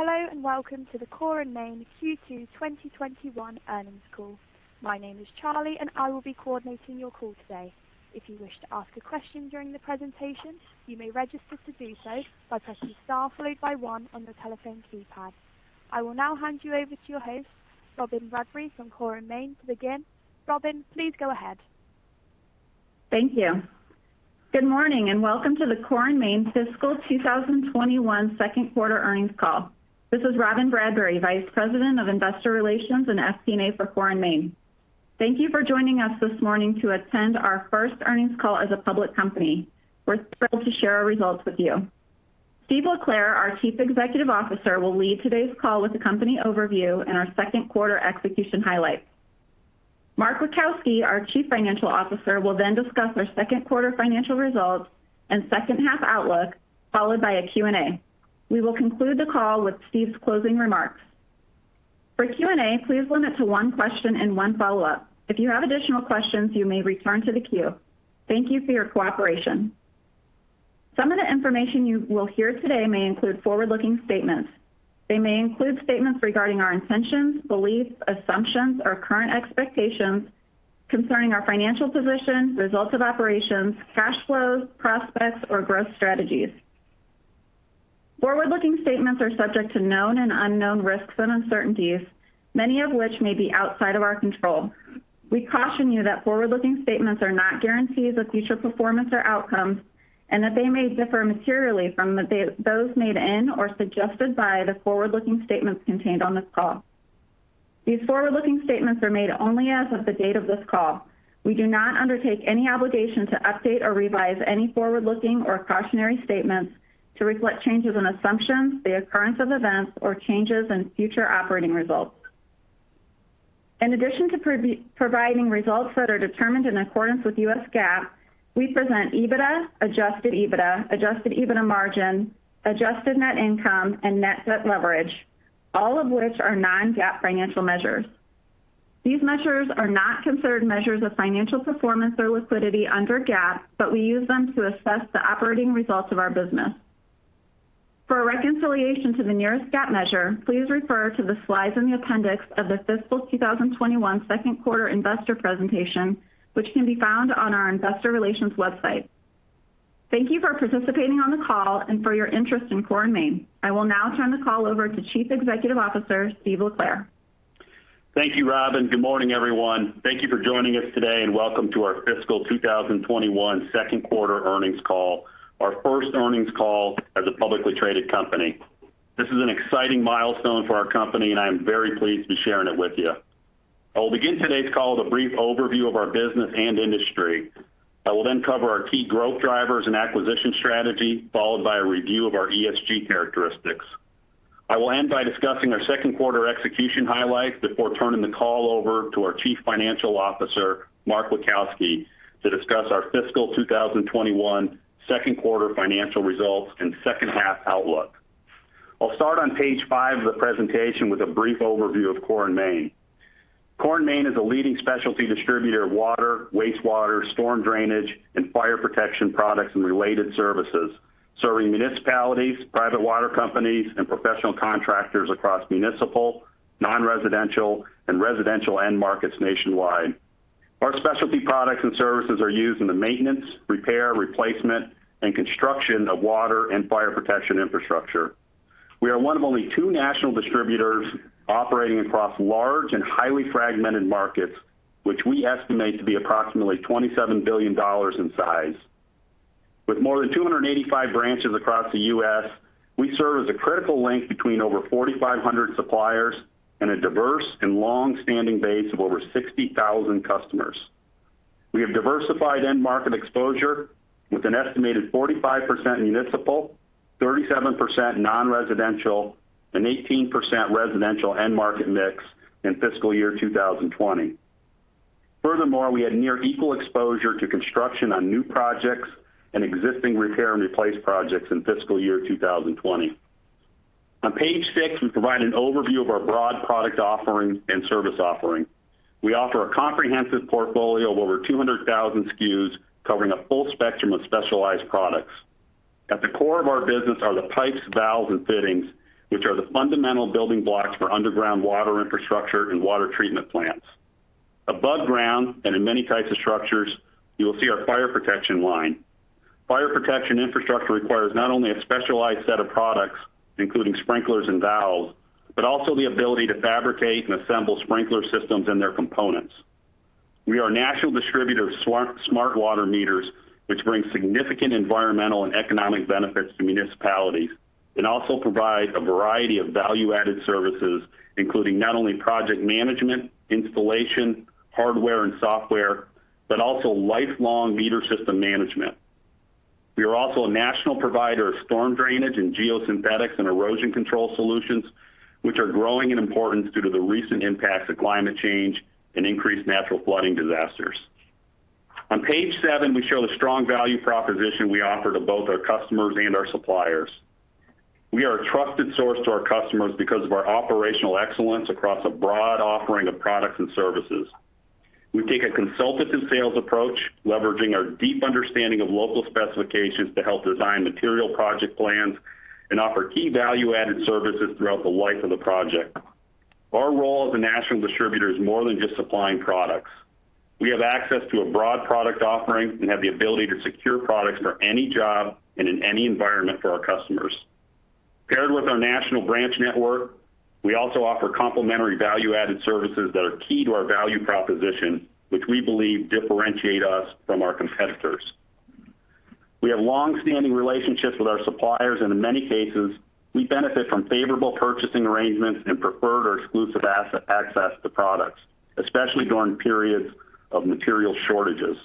Hello, welcome to the Core & Main Q2 2021 earnings call. My name is Charlie, and I will be coordinating your call today. If you wish to ask a question during the presentation, you may register to do so by pressing star followed by 1 on your telephone keypad. I will now hand you over to your host, Robyn Bradbury from Core & Main to begin. Robyn, please go ahead. Thank you. Good morning, and welcome to the Core & Main fiscal 2021 second quarter earnings call. This is Robyn Bradbury, Vice President of Investor Relations and FP&A for Core & Main. Thank you for joining us this morning to attend our first earnings call as a public company. We're thrilled to share our results with you. Steve LeClair, our Chief Executive Officer, will lead today's call with a company overview and our second quarter execution highlights. Mark Witkowski, our Chief Financial Officer, will then discuss our second quarter financial results and second half outlook, followed by a Q&A. We will conclude the call with Steve's closing remarks. For Q&A, please limit to one question and one follow-up. If you have additional questions, you may return to the queue. Thank you for your cooperation. Some of the information you will hear today may include forward-looking statements. They may include statements regarding our intentions, beliefs, assumptions, or current expectations concerning our financial position, results of operations, cash flows, prospects, or growth strategies. Forward-looking statements are subject to known and unknown risks and uncertainties, many of which may be outside of our control. We caution you that forward-looking statements are not guarantees of future performance or outcomes, and that they may differ materially from those made in or suggested by the forward-looking statements contained on this call. These forward-looking statements are made only as of the date of this call. We do not undertake any obligation to update or revise any forward-looking or cautionary statements to reflect changes in assumptions, the occurrence of events, or changes in future operating results. In addition to providing results that are determined in accordance with US GAAP, we present EBITDA, adjusted EBITDA, adjusted EBITDA margin, adjusted net income, and net debt leverage, all of which are non-GAAP financial measures. These measures are not considered measures of financial performance or liquidity under GAAP, but we use them to assess the operating results of our business. For a reconciliation to the nearest GAAP measure, please refer to the slides in the appendix of the fiscal 2021 second quarter investor presentation, which can be found on our investor relations website. Thank you for participating on the call and for your interest in Core & Main. I will now turn the call over to Chief Executive Officer, Steve LeClair. Thank you, Robyn. Good morning, everyone. Thank you for joining us today, and welcome to our fiscal 2021 second quarter earnings call, our first earnings call as a publicly traded company. This is an exciting milestone for our company, and I am very pleased to be sharing it with you. I will begin today's call with a brief overview of our business and industry. I will cover our key growth drivers and acquisition strategy, followed by a review of our ESG characteristics. I will end by discussing our second quarter execution highlights before turning the call over to our Chief Financial Officer, Mark Witkowski, to discuss our fiscal 2021 second quarter financial results and second half outlook. I'll start on page five of the presentation with a brief overview of Core & Main. Core & Main is a leading specialty distributor of water, wastewater, storm drainage, and fire protection products and related services, serving municipalities, private water companies, and professional contractors across municipal, non-residential, and residential end markets nationwide. Our specialty products and services are used in the maintenance, repair, replacement, and construction of water and fire protection infrastructure. We are one of only two national distributors operating across large and highly fragmented markets, which we estimate to be approximately $27 billion in size. With more than 285 branches across the U.S., we serve as a critical link between over 4,500 suppliers and a diverse and longstanding base of over 60,000 customers. We have diversified end market exposure with an estimated 45% municipal, 37% non-residential, and 18% residential end market mix in fiscal year 2020. Furthermore, we had near equal exposure to construction on new projects and existing repair and replace projects in fiscal year 2020. On page six, we provide an overview of our broad product offering and service offering. We offer a comprehensive portfolio of over 200,000 SKUs, covering a full spectrum of specialized products. At the core of our business are the pipes, valves, and fittings, which are the fundamental building blocks for underground water infrastructure and water treatment plants. Above ground and in many types of structures, you will see our fire protection line. Fire protection infrastructure requires not only a specialized set of products, including sprinklers and valves, but also the ability to fabricate and assemble sprinkler systems and their components. We are a national distributor of smart water meters, which bring significant environmental and economic benefits to municipalities and also provide a variety of value-added services, including not only project management, installation, hardware and software, but also lifelong meter system management. We are also a national provider of storm drainage and geosynthetics and erosion control solutions, which are growing in importance due to the recent impacts of climate change and increased natural flooding disasters. On page seven, we show the strong value proposition we offer to both our customers and our suppliers. We are a trusted source to our customers because of our operational excellence across a broad offering of products and services. We take a consultative sales approach, leveraging our deep understanding of local specifications to help design material project plans and offer key value-added services throughout the life of the project. Our role as a national distributor is more than just supplying products. We have access to a broad product offering and have the ability to secure products for any job and in any environment for our customers. Paired with our national branch network, we also offer complementary value-added services that are key to our value proposition, which we believe differentiate us from our competitors. We have longstanding relationships with our suppliers, and in many cases, we benefit from favorable purchasing arrangements and preferred or exclusive access to products, especially during periods of material shortages.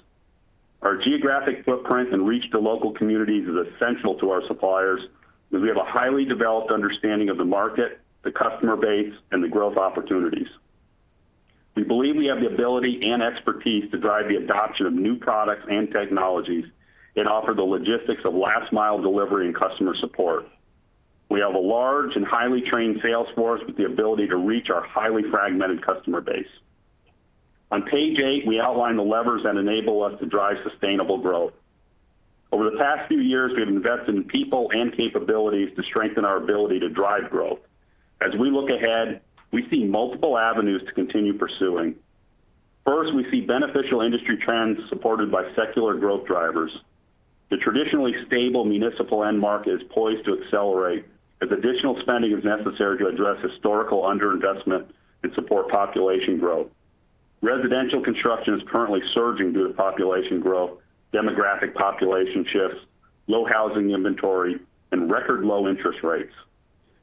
Our geographic footprint and reach to local communities is essential to our suppliers because we have a highly developed understanding of the market, the customer base, and the growth opportunities. We believe we have the ability and expertise to drive the adoption of new products and technologies and offer the logistics of last-mile delivery and customer support. We have a large and highly trained sales force with the ability to reach our highly fragmented customer base. On page eight, we outline the levers that enable us to drive sustainable growth. Over the past few years, we have invested in people and capabilities to strengthen our ability to drive growth. As we look ahead, we see multiple avenues to continue pursuing. First, we see beneficial industry trends supported by secular growth drivers. The traditionally stable municipal end market is poised to accelerate as additional spending is necessary to address historical under-investment and support population growth. Residential construction is currently surging due to population growth, demographic population shifts, low housing inventory, and record low interest rates.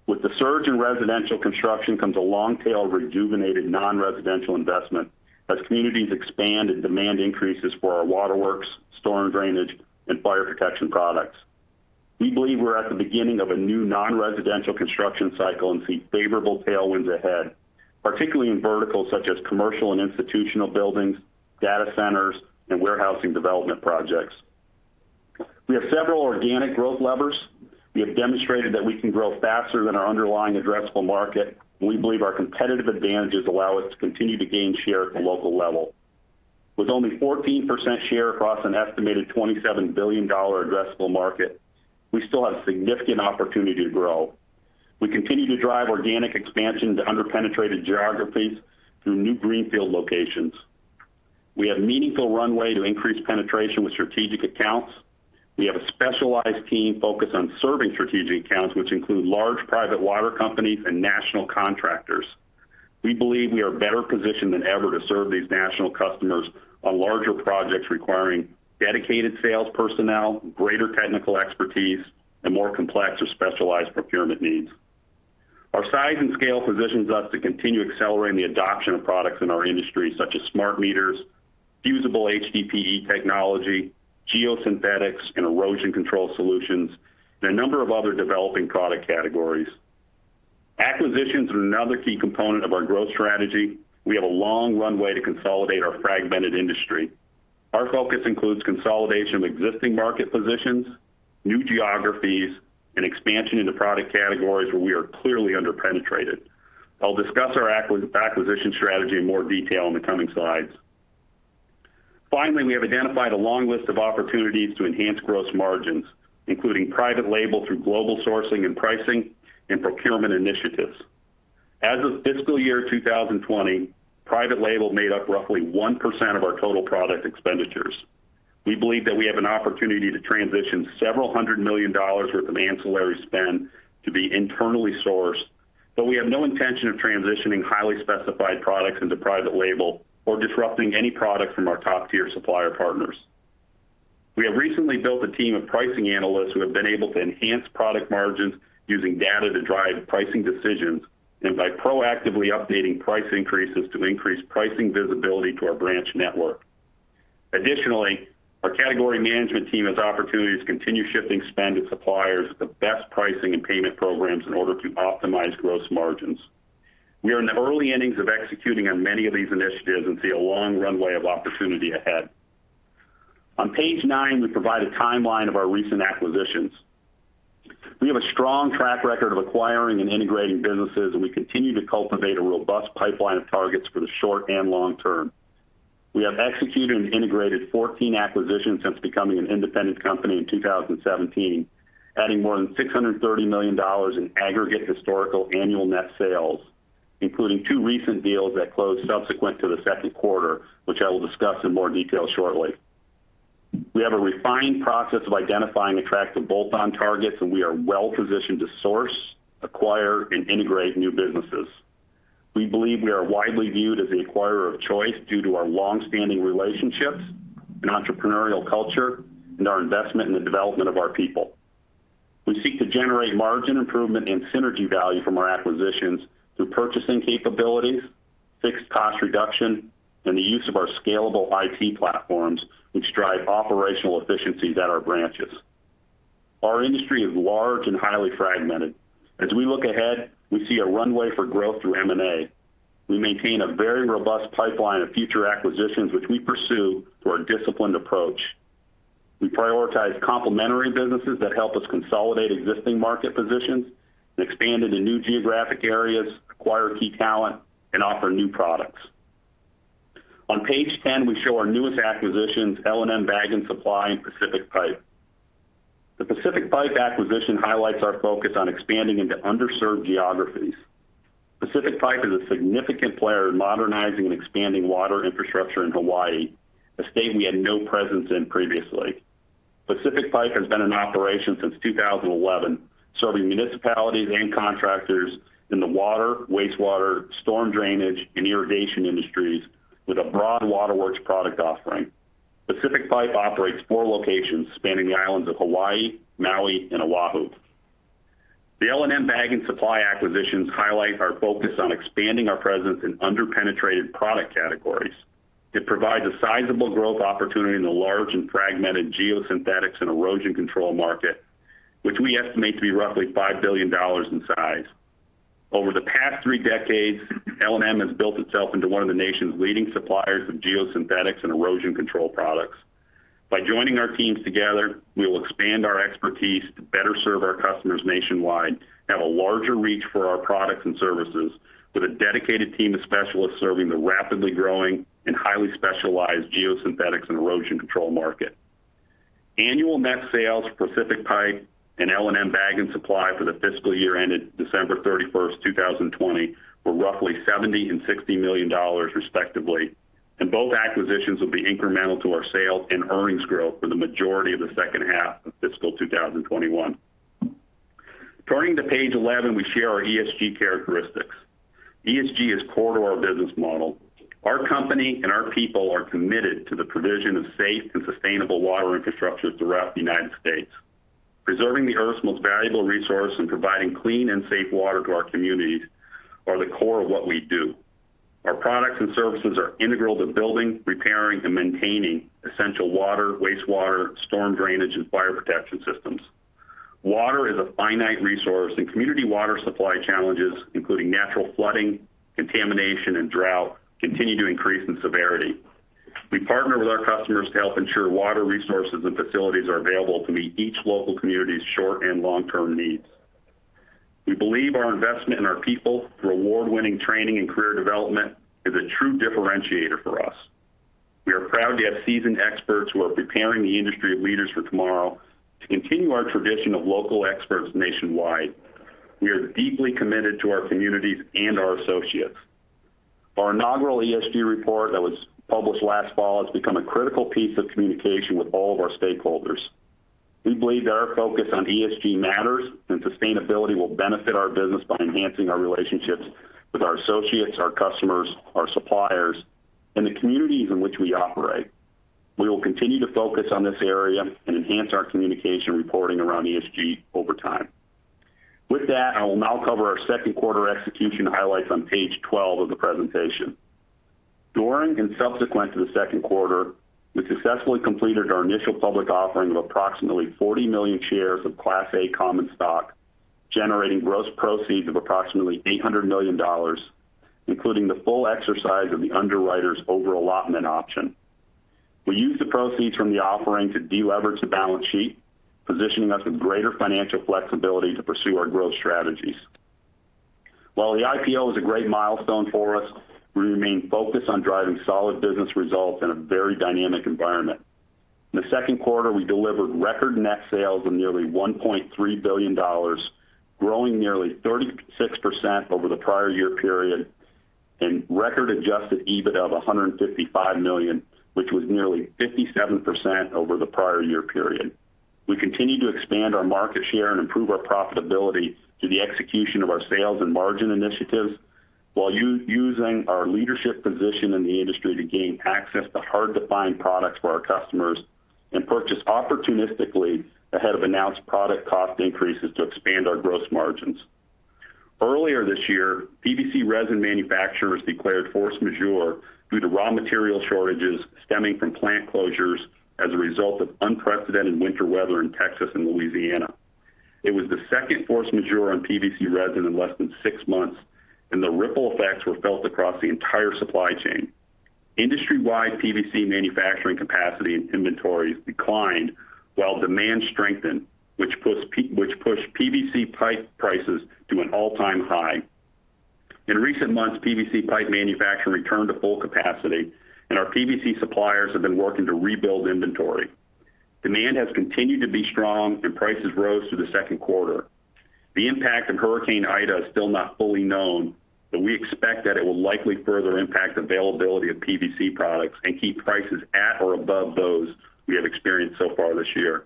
With the surge in residential construction comes a long tail of rejuvenated non-residential investment as communities expand and demand increases for our waterworks, storm drainage, and fire protection products. We believe we're at the beginning of a new non-residential construction cycle and see favorable tailwinds ahead, particularly in verticals such as commercial and institutional buildings, data centers, and warehousing development projects. We have several organic growth levers. We have demonstrated that we can grow faster than our underlying addressable market, and we believe our competitive advantages allow us to continue to gain share at the local level. With only 14% share across an estimated $27 billion addressable market, we still have significant opportunity to grow. We continue to drive organic expansion into under-penetrated geographies through new greenfield locations. We have a meaningful runway to increase penetration with strategic accounts. We have a specialized team focused on serving strategic accounts, which include large private water companies and national contractors. We believe we are better positioned than ever to serve these national customers on larger projects requiring dedicated sales personnel, greater technical expertise, and more complex or specialized procurement needs. Our size and scale positions us to continue accelerating the adoption of products in our industry, such as smart meters, fusible HDPE technology, geosynthetics, and erosion control solutions, and a number of other developing product categories. Acquisitions are another key component of our growth strategy. We have a long runway to consolidate our fragmented industry. Our focus includes consolidation of existing market positions, new geographies, and expansion into product categories where we are clearly under-penetrated. I'll discuss our acquisition strategy in more detail in the coming slides. Finally, we have identified a long list of opportunities to enhance gross margins, including private label through global sourcing and pricing and procurement initiatives. As of fiscal year 2020, private label made up roughly 1% of our total product expenditures. We believe that we have an opportunity to transition several hundred million dollars' worth of ancillary spend to be internally sourced, but we have no intention of transitioning highly specified products into private label or disrupting any product from our top-tier supplier partners. We have recently built a team of pricing analysts who have been able to enhance product margins using data to drive pricing decisions and by proactively updating price increases to increase pricing visibility to our branch network. Additionally, our category management team has opportunities to continue shifting spend with suppliers with the best pricing and payment programs in order to optimize gross margins. We are in the early innings of executing on many of these initiatives and see a long runway of opportunity ahead. On page nine, we provide a timeline of our recent acquisitions. We have a strong track record of acquiring and integrating businesses, and we continue to cultivate a robust pipeline of targets for the short and long term. We have executed and integrated 14 acquisitions since becoming an independent company in 2017, adding more than $630 million in aggregate historical annual net sales, including two recent deals that closed subsequent to the second quarter, which I will discuss in more detail shortly. We have a refined process of identifying attractive bolt-on targets, and we are well-positioned to source, acquire, and integrate new businesses. We believe we are widely viewed as the acquirer of choice due to our longstanding relationships and entrepreneurial culture and our investment in the development of our people. We seek to generate margin improvement and synergy value from our acquisitions through purchasing capabilities, fixed cost reduction, and the use of our scalable IT platforms, which drive operational efficiencies at our branches. Our industry is large and highly fragmented. As we look ahead, we see a runway for growth through M&A. We maintain a very robust pipeline of future acquisitions, which we pursue through our disciplined approach. We prioritize complementary businesses that help us consolidate existing market positions and expand into new geographic areas, acquire key talent, and offer new products. On page 10, we show our newest acquisitions, L & M Bag & Supply and Pacific Pipe. The Pacific Pipe acquisition highlights our focus on expanding into underserved geographies. Pacific Pipe is a significant player in modernizing and expanding water infrastructure in Hawaii, a state we had no presence in previously. Pacific Pipe has been in operation since 2011, serving municipalities and contractors in the water, wastewater, storm drainage, and irrigation industries with a broad waterworks product offering. Pacific Pipe operates four locations spanning the islands of Hawaii, Maui, and Oahu. The L & M Bag & Supply acquisitions highlight our focus on expanding our presence in under-penetrated product categories. It provides a sizable growth opportunity in the large and fragmented geosynthetics and erosion control market, which we estimate to be roughly $5 billion in size. Over the past three decades, L & M has built itself into one of the nation's leading suppliers of geosynthetics and erosion control products. By joining our teams together, we will expand our expertise to better serve our customers nationwide, have a larger reach for our products and services with a dedicated team of specialists serving the rapidly growing and highly specialized geosynthetics and erosion control market. Annual net sales for Pacific Pipe and L & M Bag & Supply for the fiscal year ended December 31st, 2020, were roughly $70 million and $60 million respectively, and both acquisitions will be incremental to our sales and earnings growth for the majority of the second half of fiscal 2021. Turning to page 11, we share our ESG characteristics. ESG is core to our business model. Our company and our people are committed to the provision of safe and sustainable water infrastructure throughout the United States. Preserving the Earth's most valuable resource and providing clean and safe water to our communities are the core of what we do. Our products and services are integral to building, repairing, and maintaining essential water, wastewater, storm drainage, and fire protection systems. Water is a finite resource, and community water supply challenges, including natural flooding, contamination, and drought, continue to increase in severity. We partner with our customers to help ensure water resources and facilities are available to meet each local community's short- and long-term needs. We believe our investment in our people through award-winning training and career development is a true differentiator for us. We are proud to have seasoned experts who are preparing the industry leaders for tomorrow to continue our tradition of local experts nationwide. We are deeply committed to our communities and our associates. Our inaugural ESG report that was published last fall has become a critical piece of communication with all of our stakeholders. We believe that our focus on ESG matters and sustainability will benefit our business by enhancing our relationships with our associates, our customers, our suppliers, and the communities in which we operate. We will continue to focus on this area and enhance our communication reporting around ESG over time. With that, I will now cover our second quarter execution highlights on page 12 of the presentation. During and subsequent to the second quarter, we successfully completed our initial public offering of approximately 40 million shares of Class A common stock, generating gross proceeds of approximately $800 million, including the full exercise of the underwriter's over-allotment option. We used the proceeds from the offering to delever the balance sheet, positioning us with greater financial flexibility to pursue our growth strategies. While the IPO is a great milestone for us, we remain focused on driving solid business results in a very dynamic environment. In the second quarter, we delivered record net sales of nearly $1.3 billion, growing nearly 36% over the prior year period, and record adjusted EBITDA of $155 million, which was nearly 57% over the prior year period. We continue to expand our market share and improve our profitability through the execution of our sales and margin initiatives while using our leadership position in the industry to gain access to hard-to-find products for our customers and purchase opportunistically ahead of announced product cost increases to expand our gross margins. Earlier this year, PVC resin manufacturers declared force majeure due to raw material shortages stemming from plant closures as a result of unprecedented winter weather in Texas and Louisiana. It was the second force majeure on PVC resin in less than six months. The ripple effects were felt across the entire supply chain. Industry-wide PVC manufacturing capacity and inventories declined while demand strengthened, which pushed PVC pipe prices to an all-time high. In recent months, PVC pipe manufacturing returned to full capacity, and our PVC suppliers have been working to rebuild inventory. Demand has continued to be strong and prices rose through the second quarter. The impact of Hurricane Ida is still not fully known, but we expect that it will likely further impact availability of PVC products and keep prices at or above those we have experienced so far this year.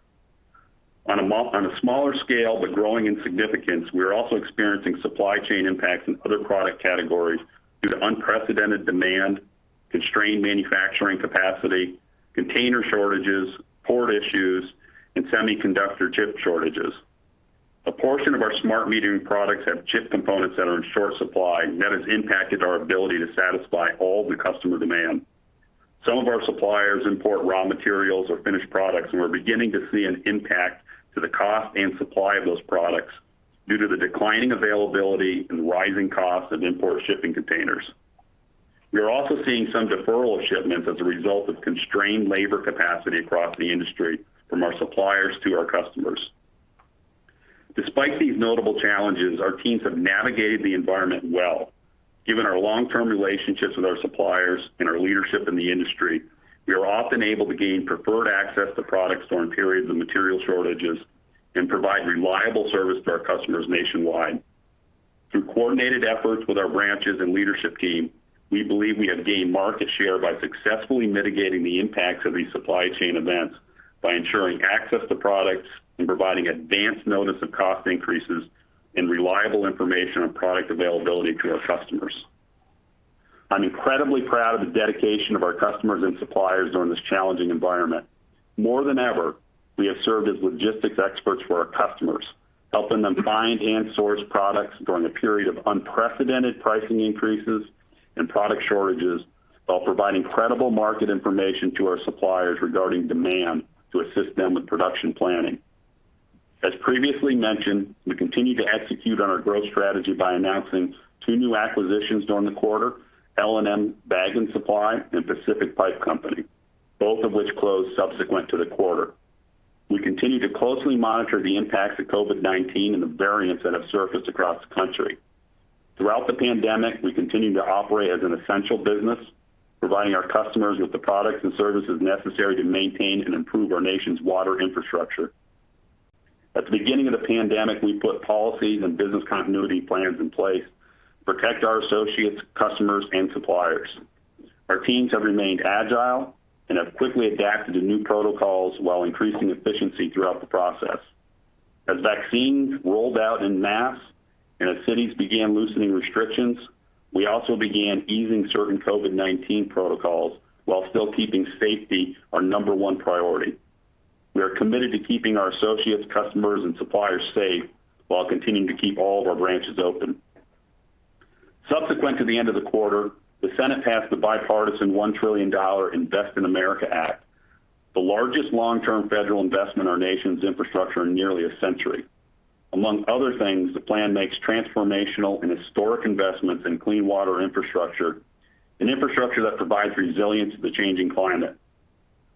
On a smaller scale, but growing in significance, we are also experiencing supply chain impacts in other product categories due to unprecedented demand, constrained manufacturing capacity, container shortages, port issues, and semiconductor chip shortages. A portion of our smart metering products have chip components that are in short supply. That has impacted our ability to satisfy all the customer demand. Some of our suppliers import raw materials or finished products. We're beginning to see an impact to the cost and supply of those products due to the declining availability and rising costs of import shipping containers. We are also seeing some deferral of shipments as a result of constrained labor capacity across the industry, from our suppliers to our customers. Despite these notable challenges, our teams have navigated the environment well. Given our long-term relationships with our suppliers and our leadership in the industry, we are often able to gain preferred access to products during periods of material shortages and provide reliable service to our customers nationwide. Through coordinated efforts with our branches and leadership team, we believe we have gained market share by successfully mitigating the impacts of these supply chain events by ensuring access to products and providing advance notice of cost increases and reliable information on product availability to our customers. I'm incredibly proud of the dedication of our customers and suppliers during this challenging environment. More than ever, we have served as logistics experts for our customers, helping them find and source products during a period of unprecedented pricing increases and product shortages, while providing credible market information to our suppliers regarding demand to assist them with production planning. As previously mentioned, we continue to execute on our growth strategy by announcing two new acquisitions during the quarter, L&M Bag & Supply and Pacific Pipe Company, both of which closed subsequent to the quarter. We continue to closely monitor the impacts of COVID-19 and the variants that have surfaced across the country. Throughout the pandemic, we continue to operate as an essential business, providing our customers with the products and services necessary to maintain and improve our nation's water infrastructure. At the beginning of the pandemic, we put policies and business continuity plans in place to protect our associates, customers, and suppliers. Our teams have remained agile and have quickly adapted to new protocols while increasing efficiency throughout the process. As vaccines rolled out en masse and as cities began loosening restrictions, we also began easing certain COVID-19 protocols while still keeping safety our number one priority. We are committed to keeping our associates, customers, and suppliers safe while continuing to keep all of our branches open. Subsequent to the end of the quarter, the Senate passed the bipartisan $1 trillion Infrastructure Investment and Jobs Act, the largest long-term federal investment in our nation's infrastructure in nearly a century. Among other things, the plan makes transformational and historic investments in clean water infrastructure, an infrastructure that provides resilience to the changing climate.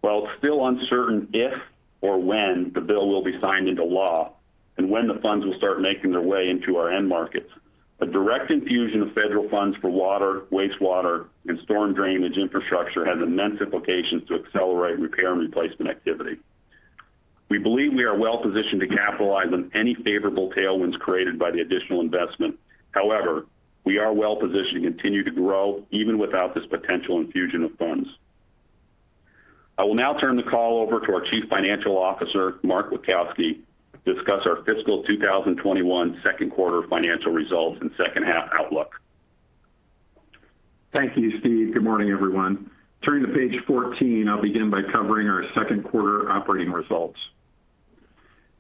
While it's still uncertain if or when the bill will be signed into law and when the funds will start making their way into our end markets, a direct infusion of federal funds for water, wastewater, and storm drainage infrastructure has immense implications to accelerate repair and replacement activity. We believe we are well positioned to capitalize on any favorable tailwinds created by the additional investment. However, we are well positioned to continue to grow even without this potential infusion of funds. I will now turn the call over to our Chief Financial Officer, Mark Witkowski, to discuss our fiscal 2021 second quarter financial results and second half outlook. Thank you, Steve. Good morning, everyone. Turning to page 14, I will begin by covering our second quarter operating results.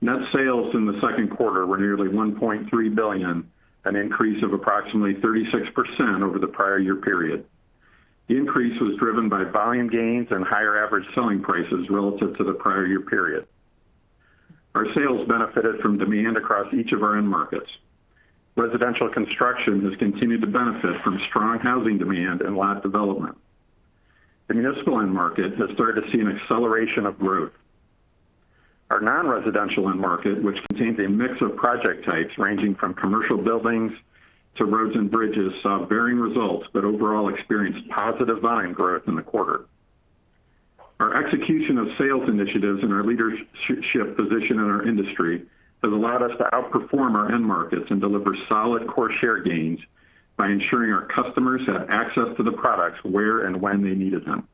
Net sales in the second quarter were nearly $1.3 billion, an increase of approximately 36% over the prior year period. The increase was driven by volume gains and higher average selling prices relative to the prior year period. Our sales benefited from demand across each of our end markets. Residential construction has continued to benefit from strong housing demand and lot development. The municipal end market has started to see an acceleration of growth. Our non-residential end market, which contains a mix of project types ranging from commercial buildings to roads and bridges, saw varying results, but overall experienced positive volume growth in the quarter. Our execution of sales initiatives and our leadership position in our industry has allowed us to outperform our end markets and deliver solid core share gains by ensuring our customers have access to the products where and when they needed them.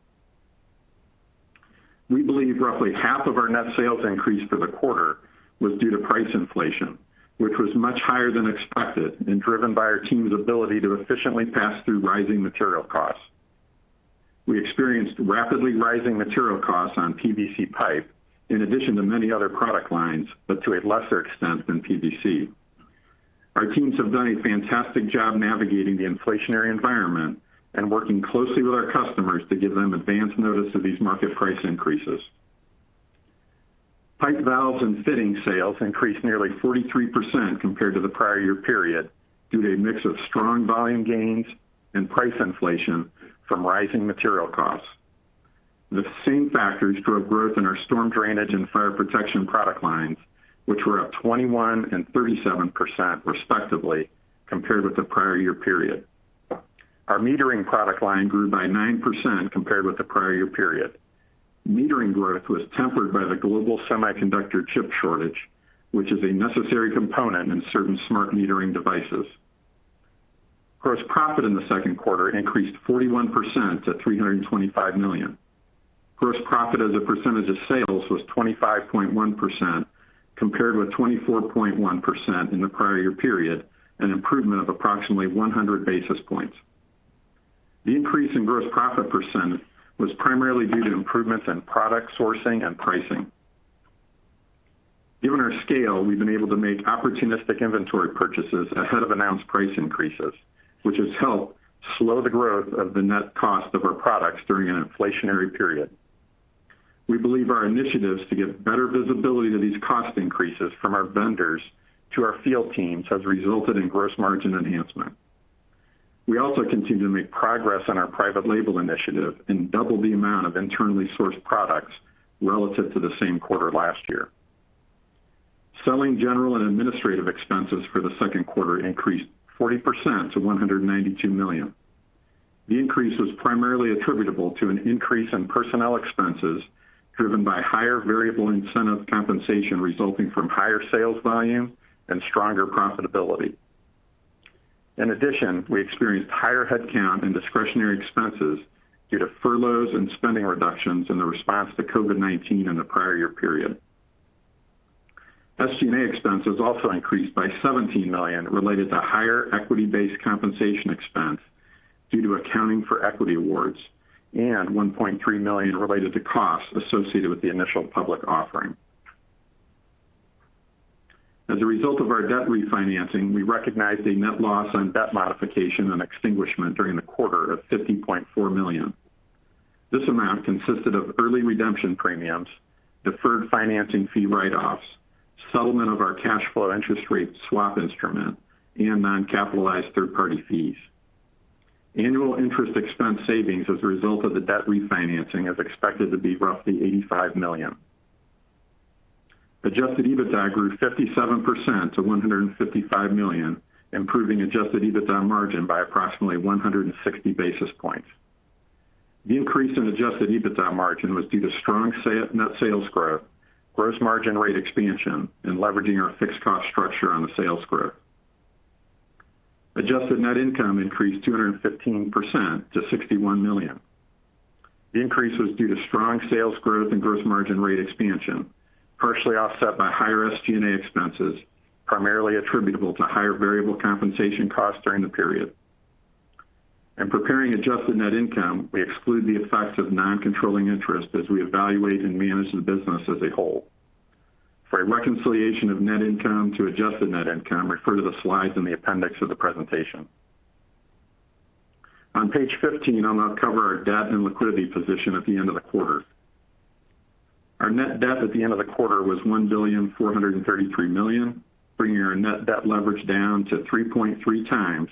We believe roughly half of our net sales increase for the quarter was due to price inflation, which was much higher than expected and driven by our team's ability to efficiently pass through rising material costs. We experienced rapidly rising material costs on PVC pipe, in addition to many other product lines, but to a lesser extent than PVC. Our teams have done a fantastic job navigating the inflationary environment and working closely with our customers to give them advance notice of these market price increases. Pipe, valves, and fitting sales increased nearly 43% compared to the prior year period due to a mix of strong volume gains and price inflation from rising material costs. The same factors drove growth in our storm drainage and fire protection product lines, which were up 21% and 37% respectively compared with the prior year period. Our metering product line grew by 9% compared with the prior year period. Metering growth was tempered by the global semiconductor chip shortage, which is a necessary component in certain smart metering devices. Gross profit in the second quarter increased 41% to $325 million. Gross profit as a percentage of sales was 25.1% compared with 24.1% in the prior year period, an improvement of approximately 100 basis points. The increase in gross profit percent was primarily due to improvements in product sourcing and pricing. Given our scale, we've been able to make opportunistic inventory purchases ahead of announced price increases, which has helped slow the growth of the net cost of our products during an inflationary period. We believe our initiatives to give better visibility to these cost increases from our vendors to our field teams has resulted in gross margin enhancement. We also continue to make progress on our private label initiative and double the amount of internally sourced products relative to the same quarter last year. Selling, general, and administrative expenses for the second quarter increased 40% to $192 million. The increase was primarily attributable to an increase in personnel expenses, driven by higher variable incentive compensation resulting from higher sales volume and stronger profitability. In addition, we experienced higher headcount and discretionary expenses due to furloughs and spending reductions in the response to COVID-19 in the prior year period. SG&A expenses also increased by $17 million related to higher equity-based compensation expense due to accounting for equity awards, and $1.3 million related to costs associated with the initial public offering. As a result of our debt refinancing, we recognized a net loss on debt modification and extinguishment during the quarter of $50.4 million. This amount consisted of early redemption premiums, deferred financing fee write-offs, settlement of our cash flow interest rate swap instrument, and non-capitalized third-party fees. Annual interest expense savings as a result of the debt refinancing is expected to be roughly $85 million. Adjusted EBITDA grew 57% to $155 million, improving adjusted EBITDA margin by approximately 160 basis points. The increase in adjusted EBITDA margin was due to strong net sales growth, gross margin rate expansion, and leveraging our fixed cost structure on the sales growth. Adjusted net income increased 215% to $61 million. The increase was due to strong sales growth and gross margin rate expansion, partially offset by higher SG&A expenses, primarily attributable to higher variable compensation costs during the period. In preparing adjusted net income, we exclude the effects of non-controlling interest as we evaluate and manage the business as a whole. For a reconciliation of net income to adjusted net income, refer to the slides in the appendix of the presentation. On page 15, I'll now cover our debt and liquidity position at the end of the quarter. Our net debt at the end of the quarter was $1.433 billion, bringing our net debt leverage down to 3.3x,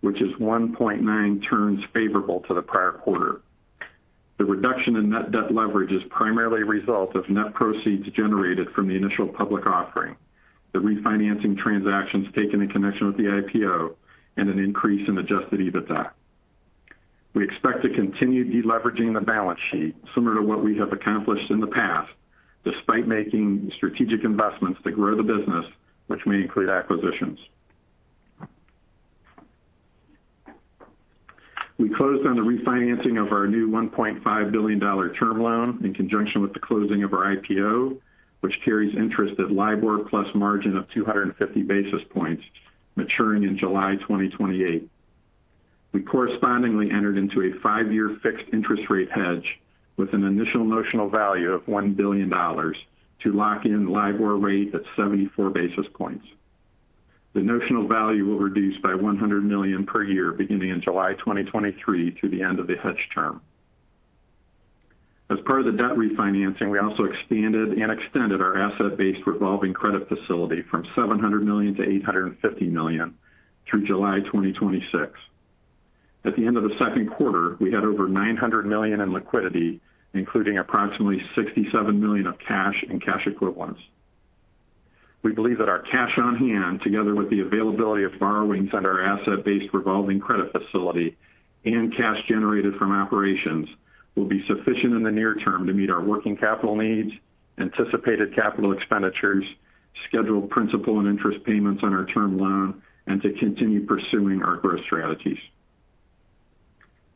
which is 1.9x turns favorable to the prior quarter. The reduction in net debt leverage is primarily a result of net proceeds generated from the initial public offering, the refinancing transactions taken in connection with the IPO, and an increase in adjusted EBITDA. We expect to continue de-leveraging the balance sheet similar to what we have accomplished in the past, despite making strategic investments to grow the business, which may include acquisitions. We closed on the refinancing of our new $1.5 billion term loan in conjunction with the closing of our IPO, which carries interest at LIBOR plus margin of 250 basis points maturing in July 2028. We correspondingly entered into a five-year fixed interest rate hedge with an initial notional value of $1 billion to lock in LIBOR rate at 74 basis points. The notional value will reduce by $100 million per year beginning in July 2023 through the end of the hedge term. As part of the debt refinancing, we also expanded and extended our asset-based revolving credit facility from $700 million to $850 million through July 2026. At the end of the second quarter, we had over $900 million in liquidity, including approximately $67 million of cash and cash equivalents. We believe that our cash on hand, together with the availability of borrowings under our asset-based revolving credit facility and cash generated from operations, will be sufficient in the near term to meet our working capital needs, anticipated capital expenditures, scheduled principal and interest payments on our term loan, and to continue pursuing our growth strategies.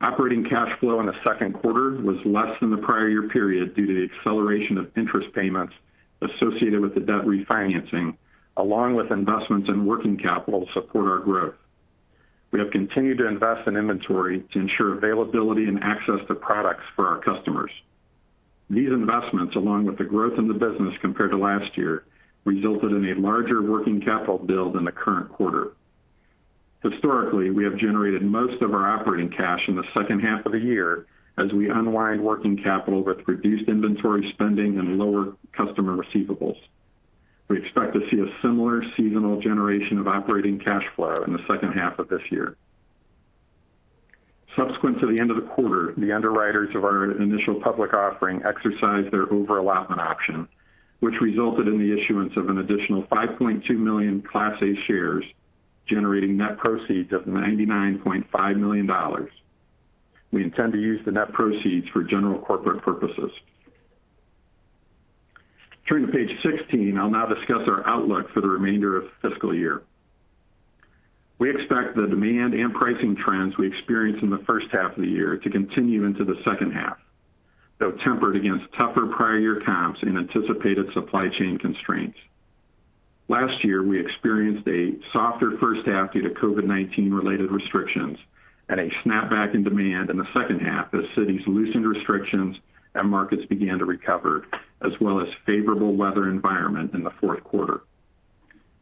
Operating cash flow in the second quarter was less than the prior year period due to the acceleration of interest payments associated with the debt refinancing, along with investments in working capital to support our growth. We have continued to invest in inventory to ensure availability and access to products for our customers. These investments, along with the growth in the business compared to last year, resulted in a larger working capital build in the current quarter. Historically, we have generated most of our operating cash in the second half of the year as we unwind working capital with reduced inventory spending and lower customer receivables. We expect to see a similar seasonal generation of operating cash flow in the second half of this year. Subsequent to the end of the quarter, the underwriters of our initial public offering exercised their over allotment option, which resulted in the issuance of an additional 5.2 million Class A shares, generating net proceeds of $99.5 million. We intend to use the net proceeds for general corporate purposes. Turning to page 16, I'll now discuss our outlook for the remainder of the fiscal year. We expect the demand and pricing trends we experienced in the first half of the year to continue into the second half, though tempered against tougher prior year comps and anticipated supply chain constraints. Last year, we experienced a softer first half due to COVID-19-related restrictions and a snap-back in demand in the second half as cities loosened restrictions and markets began to recover, as well as favorable weather environment in the fourth quarter.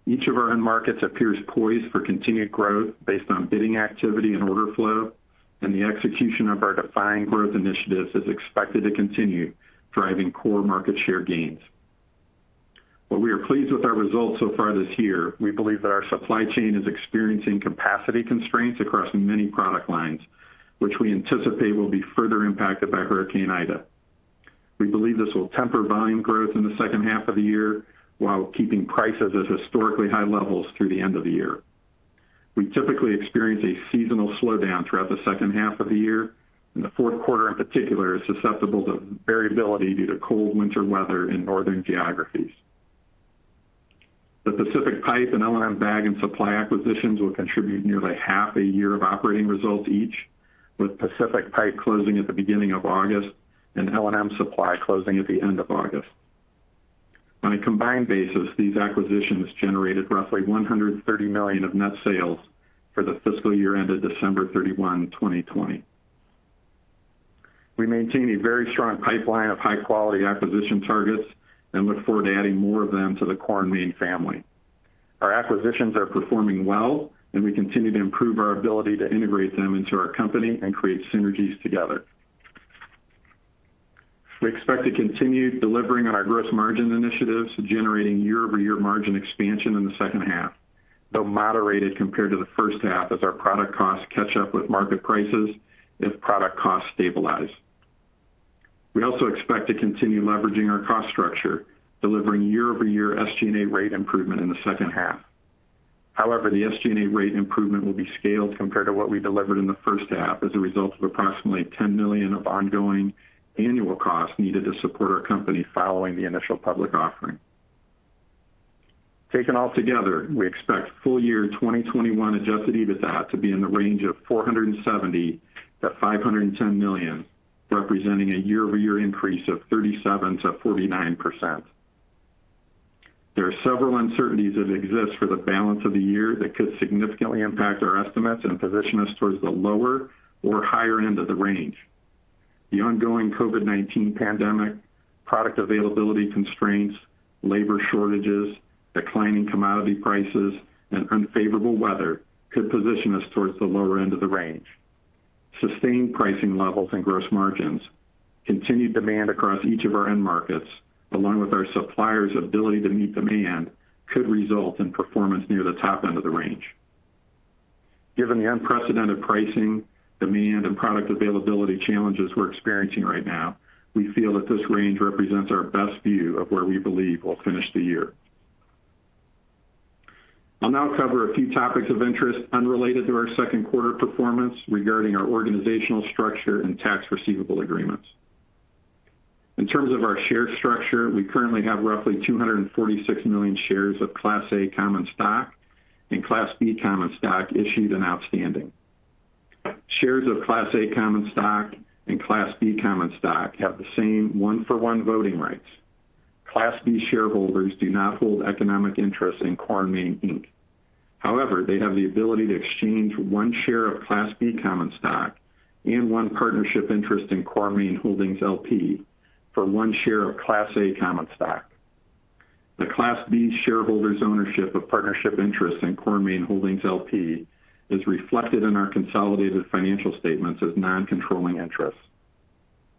Each of our end markets appears poised for continued growth based on bidding activity and order flow, and the execution of our defined growth initiatives is expected to continue driving core market share gains. While we are pleased with our results so far this year, we believe that our supply chain is experiencing capacity constraints across many product lines, which we anticipate will be further impacted by Hurricane Ida. We believe this will temper volume growth in the second half of the year while keeping prices at historically high levels through the end of the year. We typically experience a seasonal slowdown throughout the second half of the year, and the fourth quarter in particular is susceptible to variability due to cold winter weather in northern geographies. The Pacific Pipe and L&M Bag & Supply acquisitions will contribute nearly half a year of operating results each, with Pacific Pipe closing at the beginning of August and L&M Supply closing at the end of August. On a combined basis, these acquisitions generated roughly $130 million of net sales for the fiscal year ended December 31, 2020. We maintain a very strong pipeline of high-quality acquisition targets and look forward to adding more of them to the Core & Main family. Our acquisitions are performing well, and we continue to improve our ability to integrate them into our company and create synergies together. We expect to continue delivering on our gross margin initiatives, generating year-over-year margin expansion in the second half, though moderated compared to the first half as our product costs catch up with market prices if product costs stabilize. We also expect to continue leveraging our cost structure, delivering year-over-year SG&A rate improvement in the second half. The SG&A rate improvement will be scaled compared to what we delivered in the first half as a result of approximately $10 million of ongoing annual costs needed to support our company following the initial public offering. Taken all together, we expect full year 2021 adjusted EBITDA to be in the range of $470 million-$510 million, representing a year-over-year increase of 37%-49%. There are several uncertainties that exist for the balance of the year that could significantly impact our estimates and position us towards the lower or higher end of the range. The ongoing COVID-19 pandemic, product availability constraints, labor shortages, declining commodity prices, and unfavorable weather could position us towards the lower end of the range. Sustained pricing levels and gross margins, continued demand across each of our end markets, along with our suppliers' ability to meet demand, could result in performance near the top end of the range. Given the unprecedented pricing, demand, and product availability challenges we're experiencing right now, we feel that this range represents our best view of where we believe we'll finish the year. I'll now cover a few topics of interest unrelated to our second quarter performance regarding our organizational structure and tax receivable agreements. In terms of our share structure, we currently have roughly 246 million shares of Class A common stock and Class B common stock issued and outstanding. Shares of Class A common stock and Class B common stock have the same one-for-one voting rights. Class B shareholders do not hold economic interest in Core & Main, Inc. However, they have the ability to exchange one share of Class B common stock and one partnership interest in Core & Main Holdings, LP for one share of Class A common stock. The Class B shareholders' ownership of partnership interest in Core & Main Holdings, LP is reflected in our consolidated financial statements as non-controlling interest.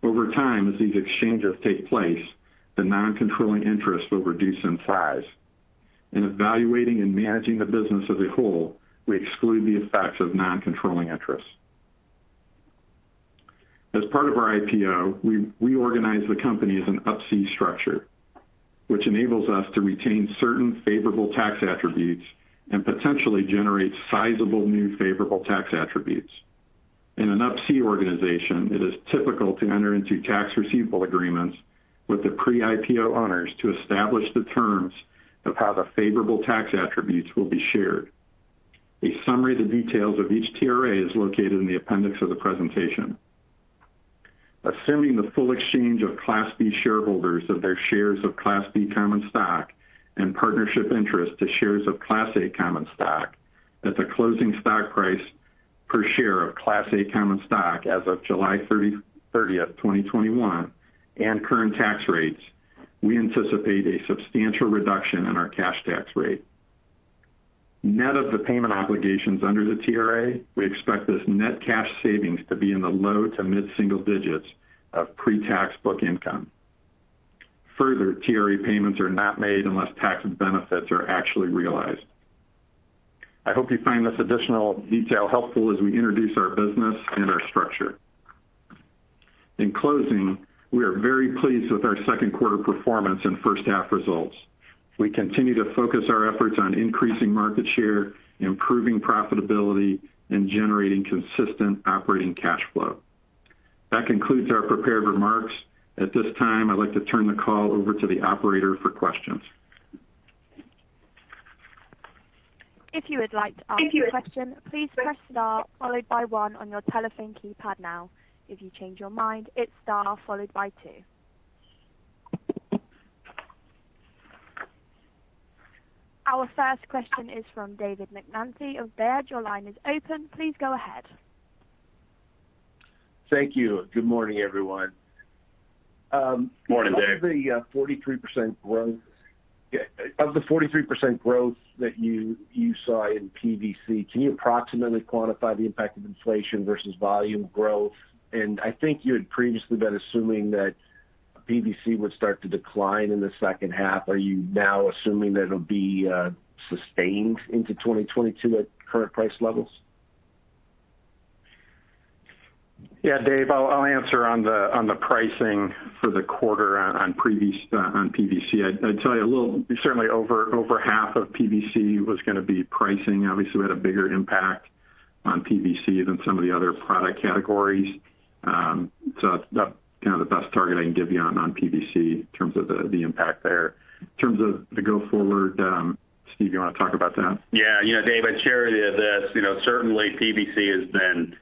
Over time, as these exchanges take place, the non-controlling interest will reduce in size. In evaluating and managing the business as a whole, we exclude the effects of non-controlling interest. As part of our IPO, we reorganized the company as an Up-C structure, which enables us to retain certain favorable tax attributes and potentially generate sizable new favorable tax attributes. In an Up-C organization, it is typical to enter into tax receivable agreements with the pre-IPO owners to establish the terms of how the favorable tax attributes will be shared. A summary of the details of each TRA is located in the appendix of the presentation. Assuming the full exchange of Class B shareholders of their shares of Class B common stock and partnership interest to shares of Class A common stock at the closing stock price per share of Class A common stock as of July 30th, 2021, and current tax rates, we anticipate a substantial reduction in our cash tax rate. Net of the payment obligations under the TRA, we expect this net cash savings to be in the low to mid-single digits of pre-tax book income. Further, TRA payments are not made unless tax benefits are actually realized. I hope you find this additional detail helpful as we introduce our business and our structure. In closing, we are very pleased with our second quarter performance and first half results. We continue to focus our efforts on increasing market share, improving profitability, and generating consistent operating cash flow. That concludes our prepared remarks. At this time, I'd like to turn the call over to the operator for questions. Our first question is from David Manthey of Baird. Your line is open. Please go ahead. Thank you. Good morning, everyone. Morning, Dave. Of the 43% growth that you saw in PVC, can you approximately quantify the impact of inflation versus volume growth? I think you had previously been assuming that PVC would start to decline in the second half. Are you now assuming that it'll be sustained into 2022 at current price levels? Yeah, Dave, I'll answer on the pricing for the quarter on PVC. I'd tell you certainly over half of PVC was going to be pricing. Obviously, we had a bigger impact on PVC than some of the other product categories. That's the best target I can give you on PVC in terms of the impact there. In terms of the go forward, Steve, you want to talk about that? David, I'd share this. Certainly PVC has been